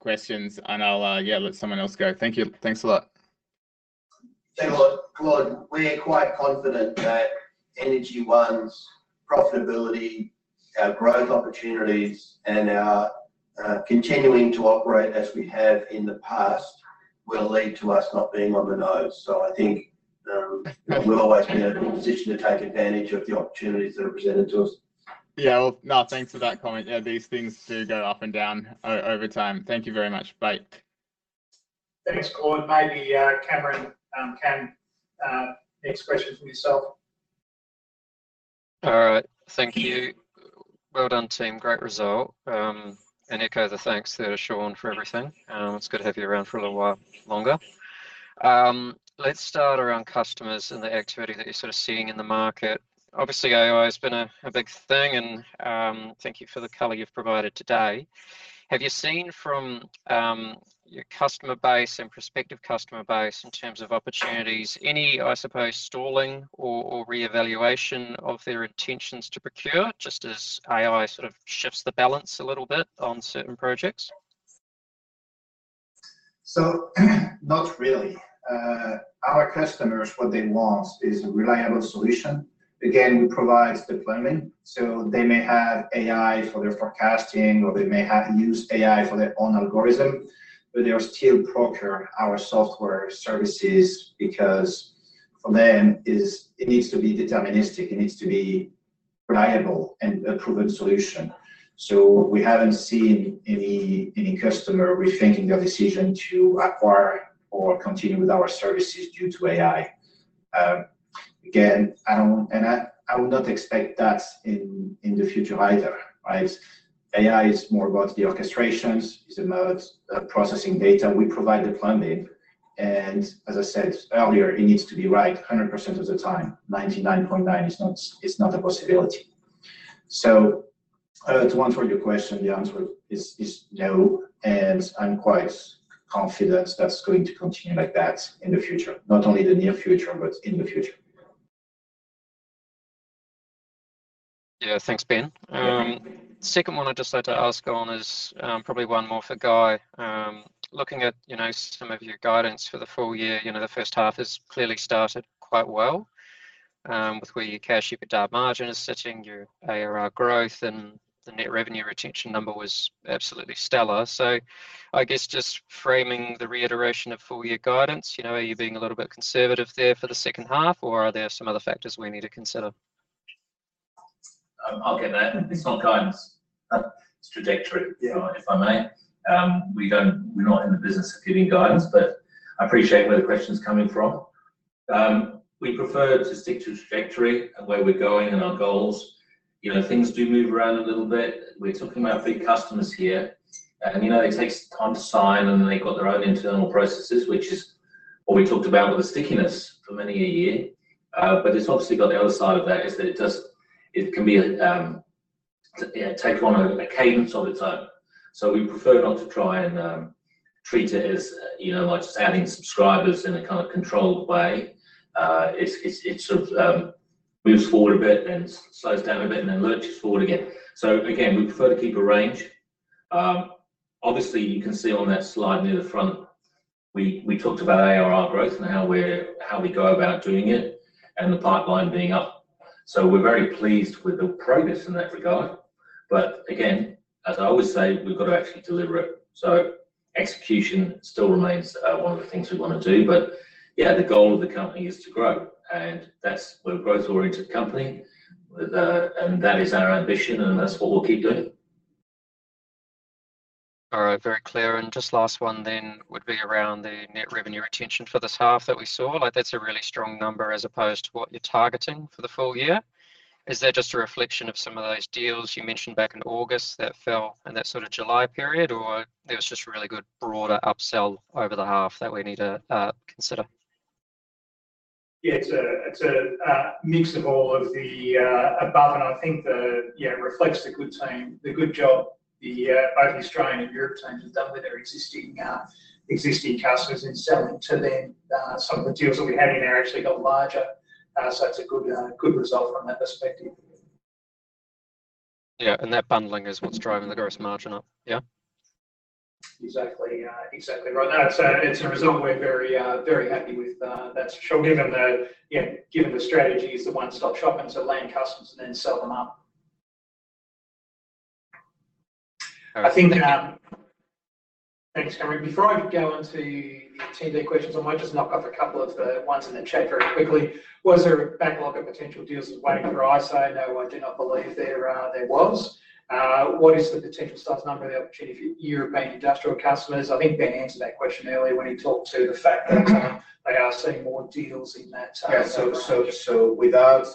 questions, and I'll, yeah, let someone else go. Thank you. Thanks a lot. Yeah, look, Claude, we are quite confident that Energy One's profitability, our growth opportunities, and our continuing to operate as we have in the past will lead to us not being on the nose. I think we'll always be in a good position to take advantage of the opportunities that are presented to us. Yeah, well, no, thanks for that comment. Yeah, these things do go up and down over time. Thank you very much. Bye. Thanks, Claude. Maybe, Cameron, Cam, next question from yourself. All right, thank you. Well done, team. Great result. Echo the thanks there to Shaun for everything. It's good to have you around for a little while longer. Let's start around customers and the activity that you're sort of seeing in the market. Obviously, AI has been a big thing, thank you for the color you've provided today. Have you seen from your customer base and prospective customer base in terms of opportunities, any, I suppose, stalling or reevaluation of their intentions to procure, just as AI sort of shifts the balance a little bit on certain projects? Not really. Our customers, what they want is a reliable solution. Again, we provide deployment, so they may have AI for their forecasting, or they may have use AI for their own algorithm, but they still procure our software services because for them, it needs to be deterministic, it needs to be reliable and a proven solution. We haven't seen any customer rethinking their decision to acquire or continue with our services due to AI. Again, I would not expect that in the future either, right? AI is more about the orchestrations, it's about processing data. We provide the planning, and as I said earlier, it needs to be right 100% of the time. 99.9% is not a possibility. To answer your question, the answer is no, and I'm quite confident that's going to continue like that in the future. Not only the near future, but in the future. Yeah. Thanks, Ben. Yeah. Second one I'd just like to ask on is, probably one more for Guy. Looking at, you know, some of your guidance for the full-year, you know, the first half has clearly started quite well, with where your cash EBITDA margin is sitting, your ARR growth, and the net revenue retention number was absolutely stellar. I guess just framing the reiteration of full-year guidance, you know, are you being a little bit conservative there for the second half, or are there some other factors we need to consider? I'll get that. It's not guidance. Yeah if I may. We don't, we're not in the business of giving guidance, but I appreciate where the question's coming from. We prefer to stick to trajectory and where we're going and our goals. You know, things do move around a little bit. We're talking about big customers here, and, you know, it takes time to sign, and then they've got their own internal processes, which is what we talked about with the stickiness for many a year. It's obviously got the other side of that, is that it does, it can be a take on a cadence of its own. We prefer not to try and treat it as, you know, like just adding subscribers in a kind of controlled way. It sort of moves forward a bit and slows down a bit and then lurches forward again. Again, we prefer to keep a range. Obviously, you can see on that slide near the front, we talked about ARR growth and how we go about doing it and the pipeline being up. We're very pleased with the progress in that regard. Again, as I always say, we've got to actually deliver it. Execution still remains one of the things we wanna do. Yeah, the goal of the company is to grow, and we're a growth-oriented company, and that is our ambition, and that's what we'll keep doing. All right, very clear. Just last one then would be around the net revenue retention for this half that we saw. Like, that's a really strong number as opposed to what you're targeting for the full-year. Is that just a reflection of some of those deals you mentioned back in August that fell in that sort of July period, or there was just a really good broader upsell over the half that we need to consider? Yeah, it's a mix of all of the above, and I think the, yeah, it reflects the good team, the good job the both Australian and Europe teams have done with their existing customers in selling to them. Some of the deals that we had in there actually got larger, so it's a good result from that perspective. Yeah, that bundling is what's driving the gross margin up. Yeah? Exactly, exactly right. That's, it's a result we're very, very happy with. That's sure given the, you know, given the strategies, the one-stop shop, land customers and then sell them up. I think. Thanks, Cam. Before I go on to the team, the questions, I might just knock off a couple of the ones in the chat very quickly. Was there a backlog of potential deals waiting for ISO? No, I do not believe there was. What is the potential stock number of the opportunity for European industrial customers? I think Ben answered that question earlier when he talked to the fact that, they are seeing more deals in that. Yeah, so without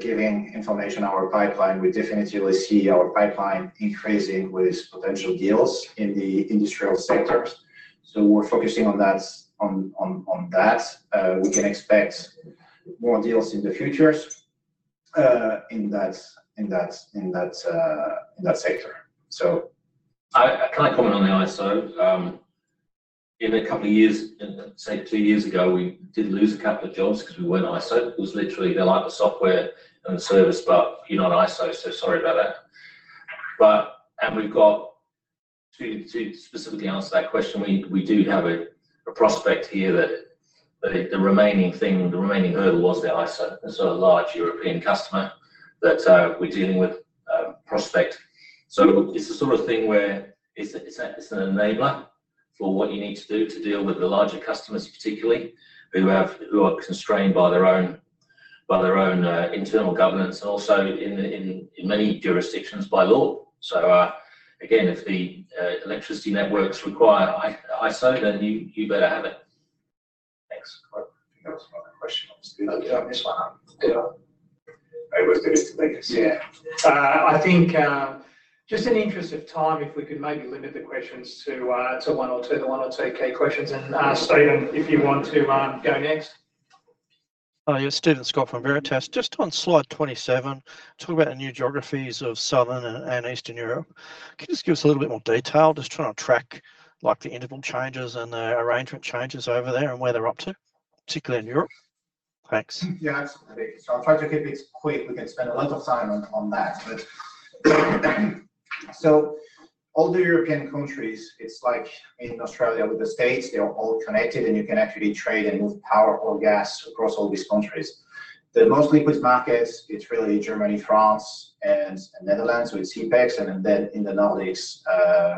giving information on our pipeline, we definitely see our pipeline increasing with potential deals in the industrial sectors. We're focusing on that, on that. We can expect more deals in the futures, in that sector, so. I can't comment on the ISO. In a couple of years, say two years ago, we did lose a couple of jobs because we weren't ISO. It was literally, they like the software and the service, but you're not ISO, so sorry about that. And we've got to specifically answer that question, we do have a prospect here that the remaining thing, the remaining hurdle was the ISO. There's a large European customer that we're dealing with, prospect. It's the sort of thing where it's a, it's an enabler for what you need to do to deal with the larger customers, particularly, who are constrained by their own internal governance, and also in many jurisdictions, by law. Again, if the electricity networks require ISO, then you better have it. Thanks. I think that was my question. Did I miss one? Yeah. It was good, yeah. I think, just in the interest of time, if we could maybe limit the questions to one or two, the one or two key questions. Stephen Scott, if you want to, go next. Yes, Stephen Scott from Veritas. Just on slide 27, talk about the new geographies of Southern and Eastern Europe. Can you just give us a little bit more detail? Just trying to track, like, the interval changes and the arrangement changes over there and where they're up to, particularly in Europe. Thanks. Yeah, absolutely. I'll try to keep it quick. We can spend a lot of time on that, but, all the European countries, it's like in Australia with the states, they are all connected, and you can actually trade and move power or gas across all these countries. The most liquid markets, it's really Germany, France, and Netherlands, so it's EPEX SPOT, and then in the Nordics,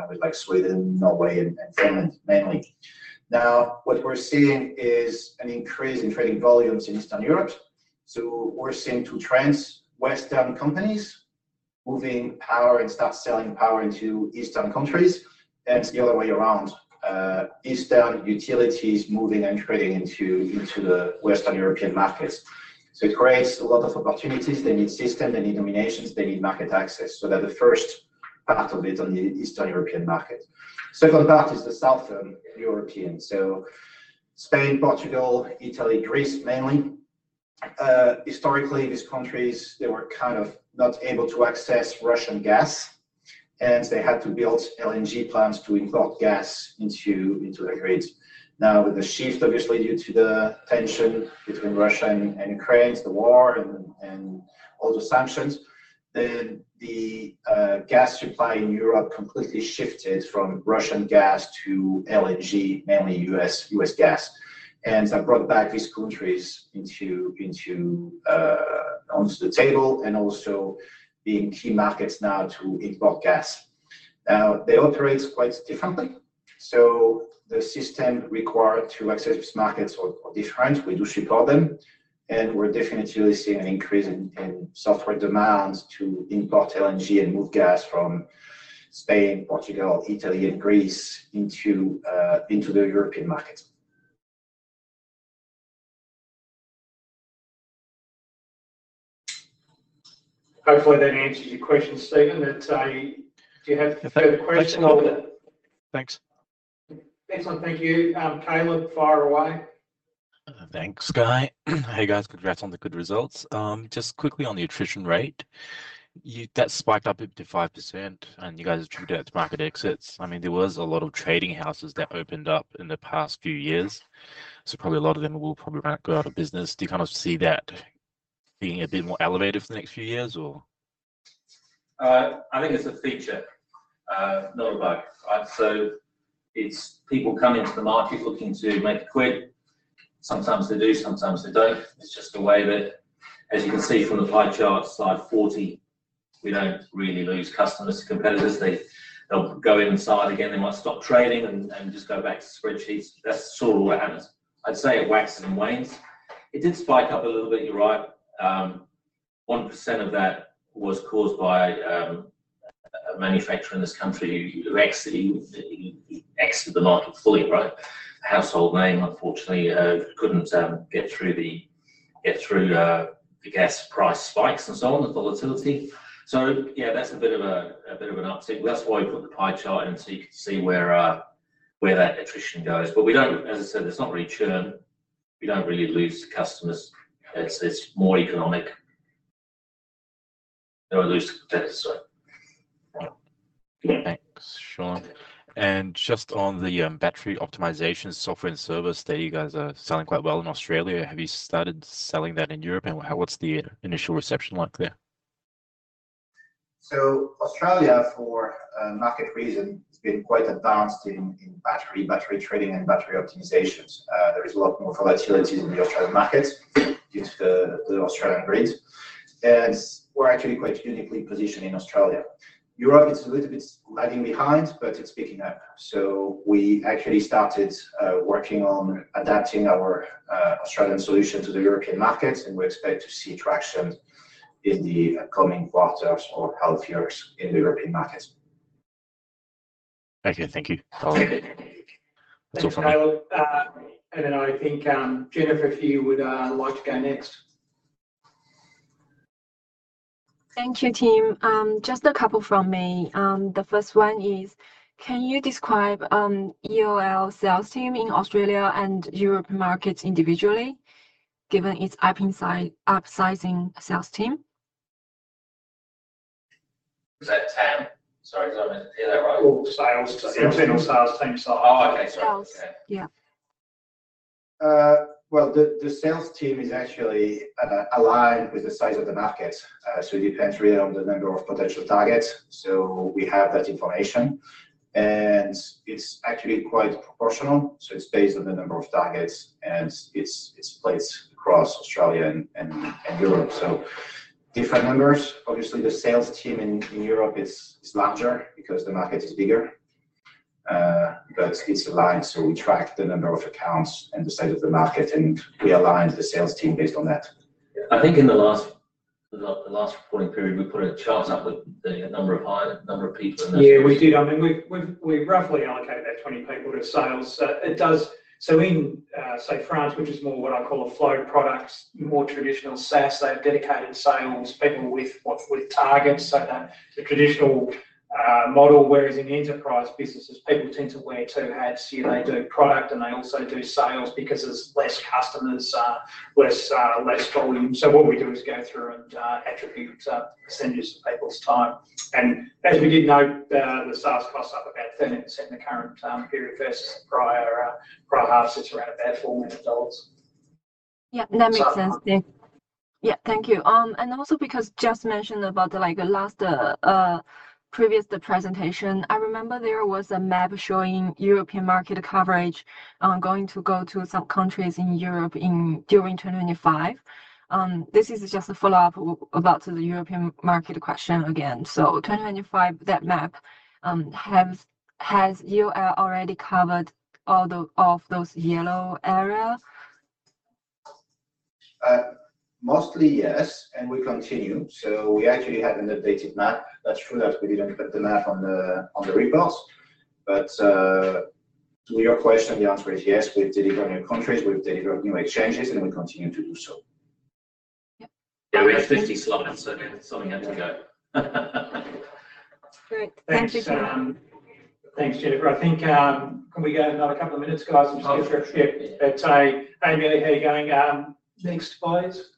with like Sweden, Norway, and Finland, mainly. What we're seeing is an increase in trading volumes in Eastern Europe. We're seeing two trends, Western companies moving power and start selling power into Eastern countries, and the other way around, Eastern utilities moving and trading into the Western European markets. It creates a lot of opportunities. They need system, they need nominations, they need market access. They're the first part of it on the Eastern European market. Second part is the Southern European, so Spain, Portugal, Italy, Greece, mainly. Historically, these countries, they were kind of not able to access Russian gas, and they had to build LNG plants to import gas into their grids. With the shift, obviously, due to the tension between Russia and Ukraine, the war and all the sanctions, then the gas supply in Europe completely shifted from Russian gas to LNG, mainly U.S. gas. That brought back these countries into onto the table and also being key markets now to import gas. They operate quite differently, so the system required to access these markets are different. We do support them, and we're definitely seeing an increase in software demands to import LNG and move gas from Spain, Portugal, Italy, and Greece into the European markets. Hopefully, that answers your question, Stephen. Do you have further questions or? Thanks. Excellent. Thank you. Caleb, fire away. Thanks, Guy. Hey, guys. Congrats on the good results. Just quickly on the attrition rate, that spiked up to 5%, and you guys attributed it to market exits. I mean, there was a lot of trading houses that opened up in the past few years, so probably a lot of them will probably go out of business. Do you kind of see that being a bit more elevated for the next few years or? I think it's a feature, not a bug, right? It's people coming to the market looking to make a quick. Sometimes they do, sometimes they don't. It's just the way of it. As you can see from the pie chart, slide 40, we don't really lose customers to competitors. They'll go in and sign again. They might stop trading and just go back to spreadsheets. That's sort of what happens. I'd say it waxes and wanes. It did spike up a little bit, you're right. 1% of that was caused by a manufacturer in this country who exited the market fully, right? Household name, unfortunately, couldn't get through the gas price spikes and so on, the volatility. Yeah, that's a bit of an uptick. That's why we put the pie chart in, so you can see where that attrition goes. As I said, it's not really churn. We don't really lose customers. It's more economic. We don't lose competitors. Thanks, Shaun. Just on the battery optimization software and service that you guys are selling quite well in Australia, have you started selling that in Europe, and what's the initial reception like there? Australia, for market reason, has been quite advanced in battery trading, and battery optimizations. There is a lot more volatility in the Australian market due to the Australian grid, and we're actually quite uniquely positioned in Australia. Europe is a little bit lagging behind, but it's picking up. We actually started working on adapting our Australian solution to the European market, and we expect to see traction in the coming quarters or half years in the European market. Okay, thank you. Thanks a lot. Then I think, Jennifer, if you would, like to go next. Thank you, team. Just a couple from me. The first one is: can you describe EOL sales team in Australia and Europe markets individually, given its upsizing sales team? Is that TAM? Sorry, did I hear that right? Well, sales, internal sales team size. Oh, okay. Sorry. Sales, yeah. Well, the sales team is actually aligned with the size of the market. It depends really on the number of potential targets. We have that information, and it's actually quite proportional, so it's based on the number of targets, and it's placed across Australia and Europe. Different numbers. Obviously, the sales team in Europe is larger because the market is bigger, but it's aligned, so we track the number of accounts and the size of the market, and we align the sales team based on that. I think in the last, the last reporting period, we put a chart up with the number of hire, number of people in that. Yeah, we did. I mean, we roughly allocate about 20 people to sales. In, say, France, which is more what I call a flow product, more traditional SaaS, they have dedicated sales people with targets. The traditional model, whereas in enterprise businesses, people tend to wear two hats. You know, they do product, and they also do sales because there's less customers, less volume. What we do is go through and attribute percentages to people's time. As we did note, the sales cost up about 13% in the current period versus prior half, it's around about $4 million. Yeah, that makes sense. Yeah, thank you. Also because just mentioned about the last previous the presentation, I remember there was a map showing European market coverage, going to go to some countries in Europe in, during 2025. This is just a follow-up about the European market question again. 2025, that map, has EOL already covered all of those yellow areas? Mostly, yes, and we continue. We actually have an updated map. That's true that we didn't put the map on the release. To your question, the answer is yes. We've delivered new countries, we've delivered new exchanges, and we continue to do so. Yeah, we had 50 slots, so something had to go. Great. Thank you, Shaun. Thanks, Jennifer. I think, can we go another couple of minutes, guys. Amelia, how you going? Next, please.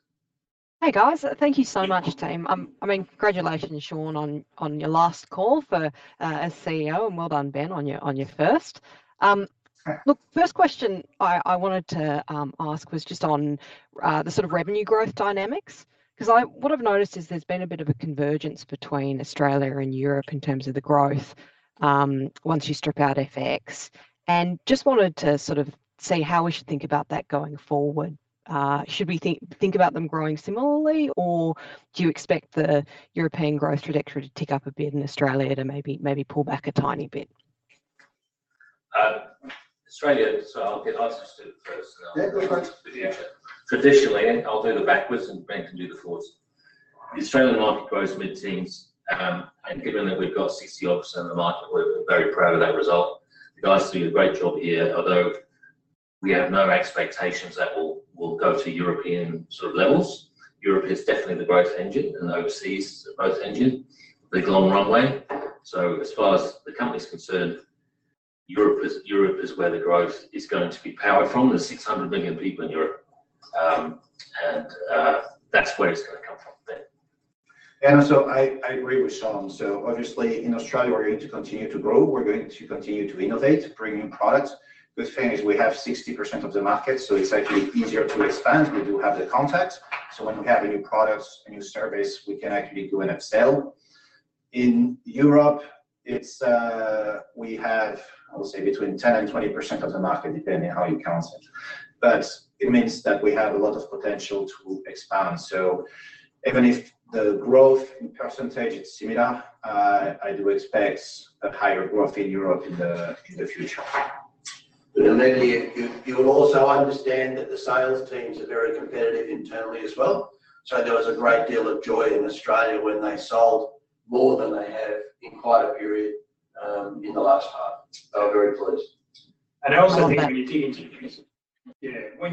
Hey, guys. Thank you so much, team. I mean, congratulations, Shaun, on your last call for as CEO, and well done, Ben, on your first. Look, first question I wanted to ask was just on the sort of revenue growth dynamics, 'cause what I've noticed is there's been a bit of a convergence between Australia and Europe in terms of the growth, once you strip out FX. Just wanted to sort of see how we should think about that going forward. Should we think about them growing similarly, or do you expect the European growth trajectory to tick up a bit and Australia to maybe pull back a tiny bit? Australia, so I'll get asked this first. Yeah, go for it. Traditionally, I'll do the backwards, and Ben can do the forwards. The Australian market grows mid-teens, and given that we've got 60 odd percent of the market, we're very proud of that result. The guys do a great job here, although we have no expectations that we'll go to European sort of levels. Europe is definitely the growth engine and the overseas growth engine, the long runway. As far as the company is concerned, Europe is where the growth is going to be powered from. There's 600 million people in Europe, and that's where it's gonna come from then. I agree with Shaun. Obviously, in Australia, we're going to continue to grow. We're going to continue to innovate, bring new products. Good thing is we have 60% of the market, so it's actually easier to expand. We do have the contacts, so when we have a new product, a new service, we can actually do an upsell. In Europe, it's, we have, I would say, between 10% and 20% of the market, depending on how you count it. It means that we have a lot of potential to expand. Even if the growth in percentage is similar, I do expect a higher growth in Europe in the future. You will also understand that the sales teams are very competitive internally as well. There was a great deal of joy in Australia when they sold more than they have in quite a period in the last half. They were very pleased. Also, I think when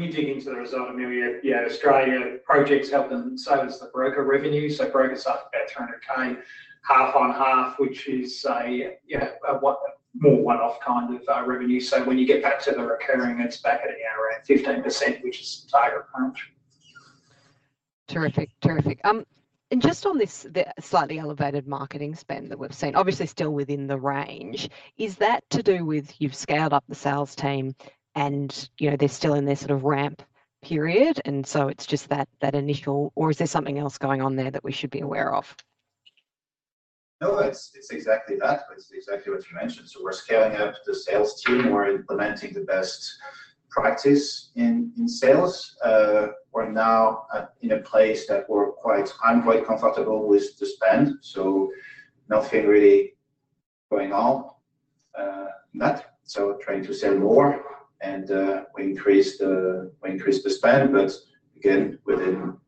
you dig into the result, Amelia, Australia projects help them sell us the broker revenue. Brokers up about 300,000, half on half, which is a, you know, a one, more one-off kind of revenue. When you get back to the recurring, it's back at around 15%, which is target range. Terrific, terrific. Just on this, the slightly elevated marketing spend that we've seen, obviously still within the range, is that to do with you've scaled up the sales team, and, you know, they're still in their sort of ramp period, so it's just that initial, or is there something else going on there that we should be aware of? No, it's exactly that. It's exactly what you mentioned. We're scaling up the sales team. We're implementing the best practice in sales. We're now in a place that I'm quite comfortable with the spend, so nothing really going on than that. We're trying to sell more, and we increased the spend, but again, within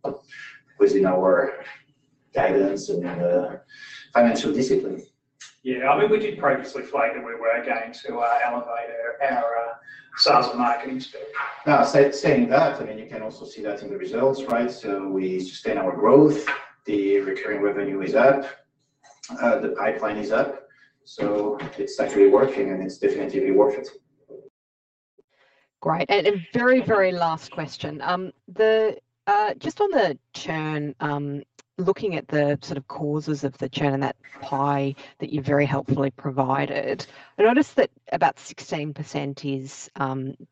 our guidance and financial discipline. Yeah, I mean, we did previously flag that we were going to elevate our sales and marketing spend. Saying that, I mean, you can also see that in the results, right? We sustained our growth, the recurring revenue is up, the pipeline is up, it's actually working, and it's definitively worth it. Great. A very, very last question. Just on the churn, looking at the sort of causes of the churn and that pie that you very helpfully provided, I noticed that about 16% is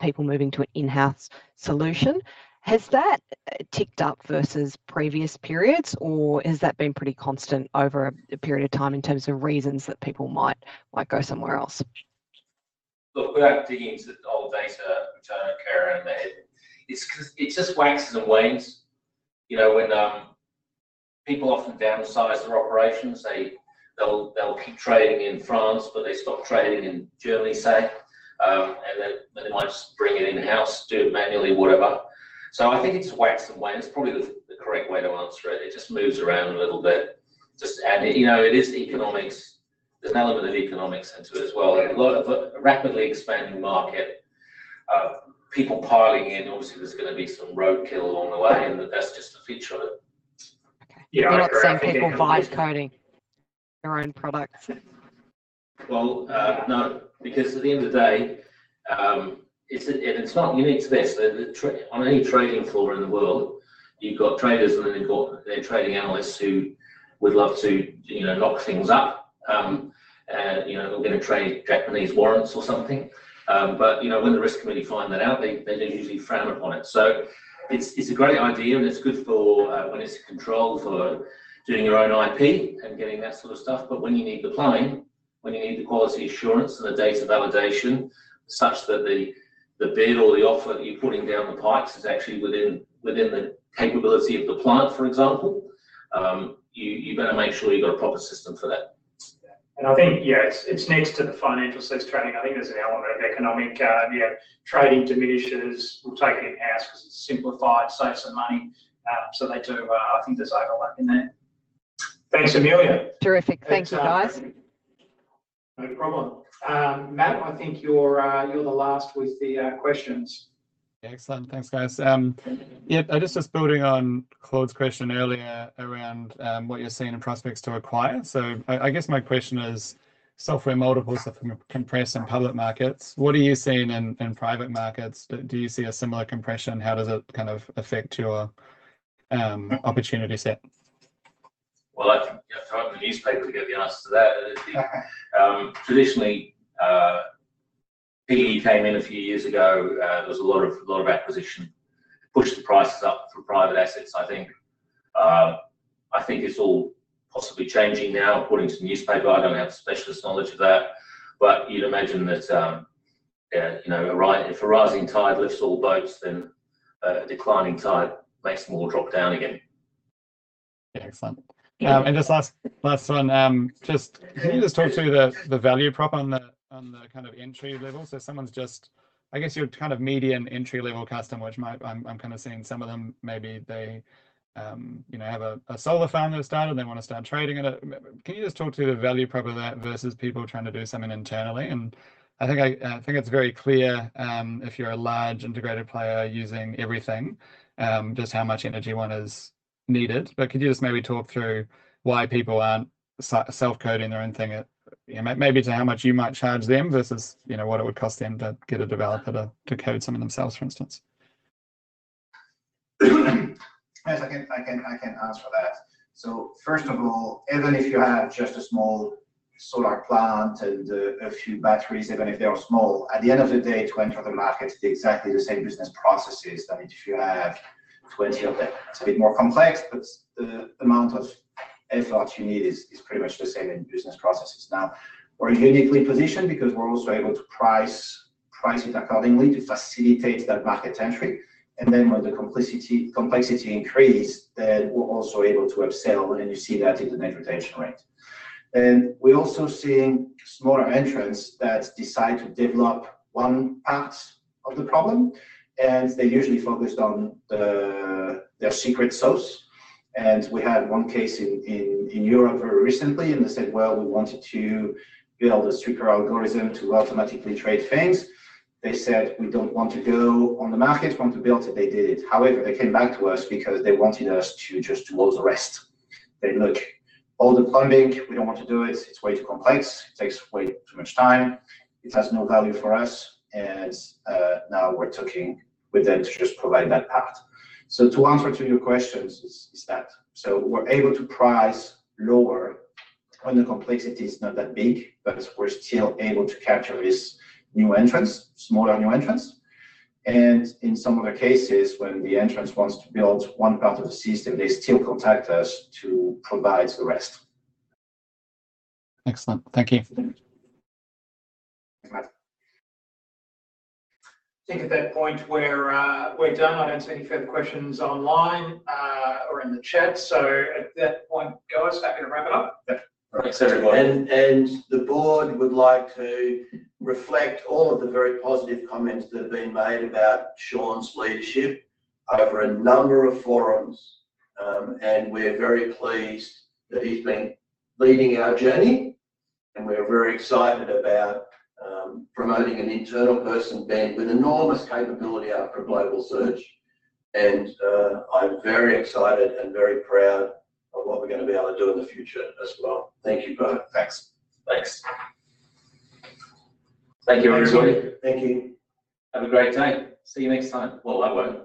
people moving to an in-house solution. Has that ticked up versus previous periods, or has that been pretty constant over a period of time in terms of reasons that people might go somewhere else? Look, without digging into the old data, which I know Karen may. It's 'cause, it just waxes and wanes. You know, when people often downsize their operations, they'll keep trading in France, but they stop trading in Germany, say, and then they might just bring it in-house, do it manually, whatever. I think it's waxes and wanes, probably the correct way to answer it. It just moves around a little bit. Just, you know, it is economics. There's an element of economics into it as well. A lot of, a rapidly expanding market, people piling in, obviously there's gonna be some roadkill along the way, and that's just a feature of it. Okay. Yeah. We're not seeing people vibe coding their own products? No, because at the end of the day, it's, and it's not unique to this, on any trading floor in the world, you've got traders, and then you've got their trading analysts who would love to, you know, knock things up, and, you know, they're gonna trade Japanese warrants or something. You know, when the risk committee find that out, they usually frown upon it. It's a great idea, and it's good for, when it's in control for doing your own IP and getting that sort of stuff. When you need the plane, when you need the quality assurance and the data validation, such that the bid or the offer that you're putting down the pipes is actually within the capability of the plant, for example, you better make sure you've got a proper system for that. I think, yeah, it's next to the financial sales trading. I think there's an element of economic, yeah, trading diminishes. We'll take it in-house because it's simplified, saves some money, so they do, I think there's overlap in there. Thanks, Amelia. Terrific. Thanks, guys. No problem. Matt, I think you're the last with the questions. Excellent. Thanks, guys. Yeah, I just was building on Claude's question earlier around what you're seeing in prospects to acquire. I guess my question is, software multiples have compressed in public markets, what are you seeing in private markets? Do you see a similar compression? How does it kind of affect your opportunity set? Well, I, you have to read the newspaper to get the answer to that. Traditionally, PE came in a few years ago, there was a lot of acquisition, pushed the prices up for private assets. I think it's all possibly changing now, according to the newspaper. I don't have specialist knowledge of that, but you'd imagine that, you know, if a rising tide lifts all boats, then a declining tide makes them all drop down again. Yeah, excellent. Just last one, just can you just talk through the value prop on the kind of entry-level? If someone's just, I guess, your kind of median entry-level customer, which might, I'm kind of seeing some of them, maybe they, you know, have a solar farm that's started, and they want to start trading it. Can you just talk to the value prop of that versus people trying to do something internally? I think it's very clear, if you're a large integrated player using everything, just how much Energy One is needed. Could you just maybe talk through why people aren't self-coding their own thing, and maybe to how much you might charge them versus, you know, what it would cost them to get a developer to code some of themselves, for instance? Yes, I can answer that. First of all, even if you have just a small solar plant and a few batteries, even if they are small, at the end of the day, to enter the market, it's exactly the same business processes. I mean, if you have 20 of them, it's a bit more complex, but the amount of effort you need is pretty much the same in business processes. We're uniquely positioned because we're also able to price it accordingly to facilitate that market entry. When the complexity increase, then we're also able to upsell, and you see that in the net retention rate. We're also seeing smaller entrants that decide to develop one part of the problem, and they usually focused on their secret sauce. We had one case in Europe very recently, and they said, "Well, we wanted to build a stricter algorithm to automatically trade things." They said, "We don't want to go on the market. We want to build it." They did it. However, they came back to us because they wanted us to just do all the rest. They're like, "All the plumbing, we don't want to do it. It's way too complex. It takes way too much time. It has no value for us." Now we're talking with them to just provide that part. To answer to your questions is that, so we're able to price lower when the complexity is not that big, but we're still able to capture this new entrants, smaller new entrants. In some of the cases, when the entrants wants to build one part of the system, they still contact us to provide the rest. Excellent. Thank you. Thanks, Matt. I think at that point, we're done. I don't see any further questions online, or in the chat. At that point, guys, happy to wrap it up. Yeah. Thanks, everybody. The board would like to reflect all of the very positive comments that have been made about Shaun's leadership over a number of forums. We're very pleased that he's been leading our journey, and we're very excited about, promoting an internal person, Ben, with enormous capability after a global search. I'm very excited and very proud of what we're gonna be able to do in the future as well. Thank you both. Thanks. Thank you, everybody. Thank you. Have a great day. See you next time. Well, I won't.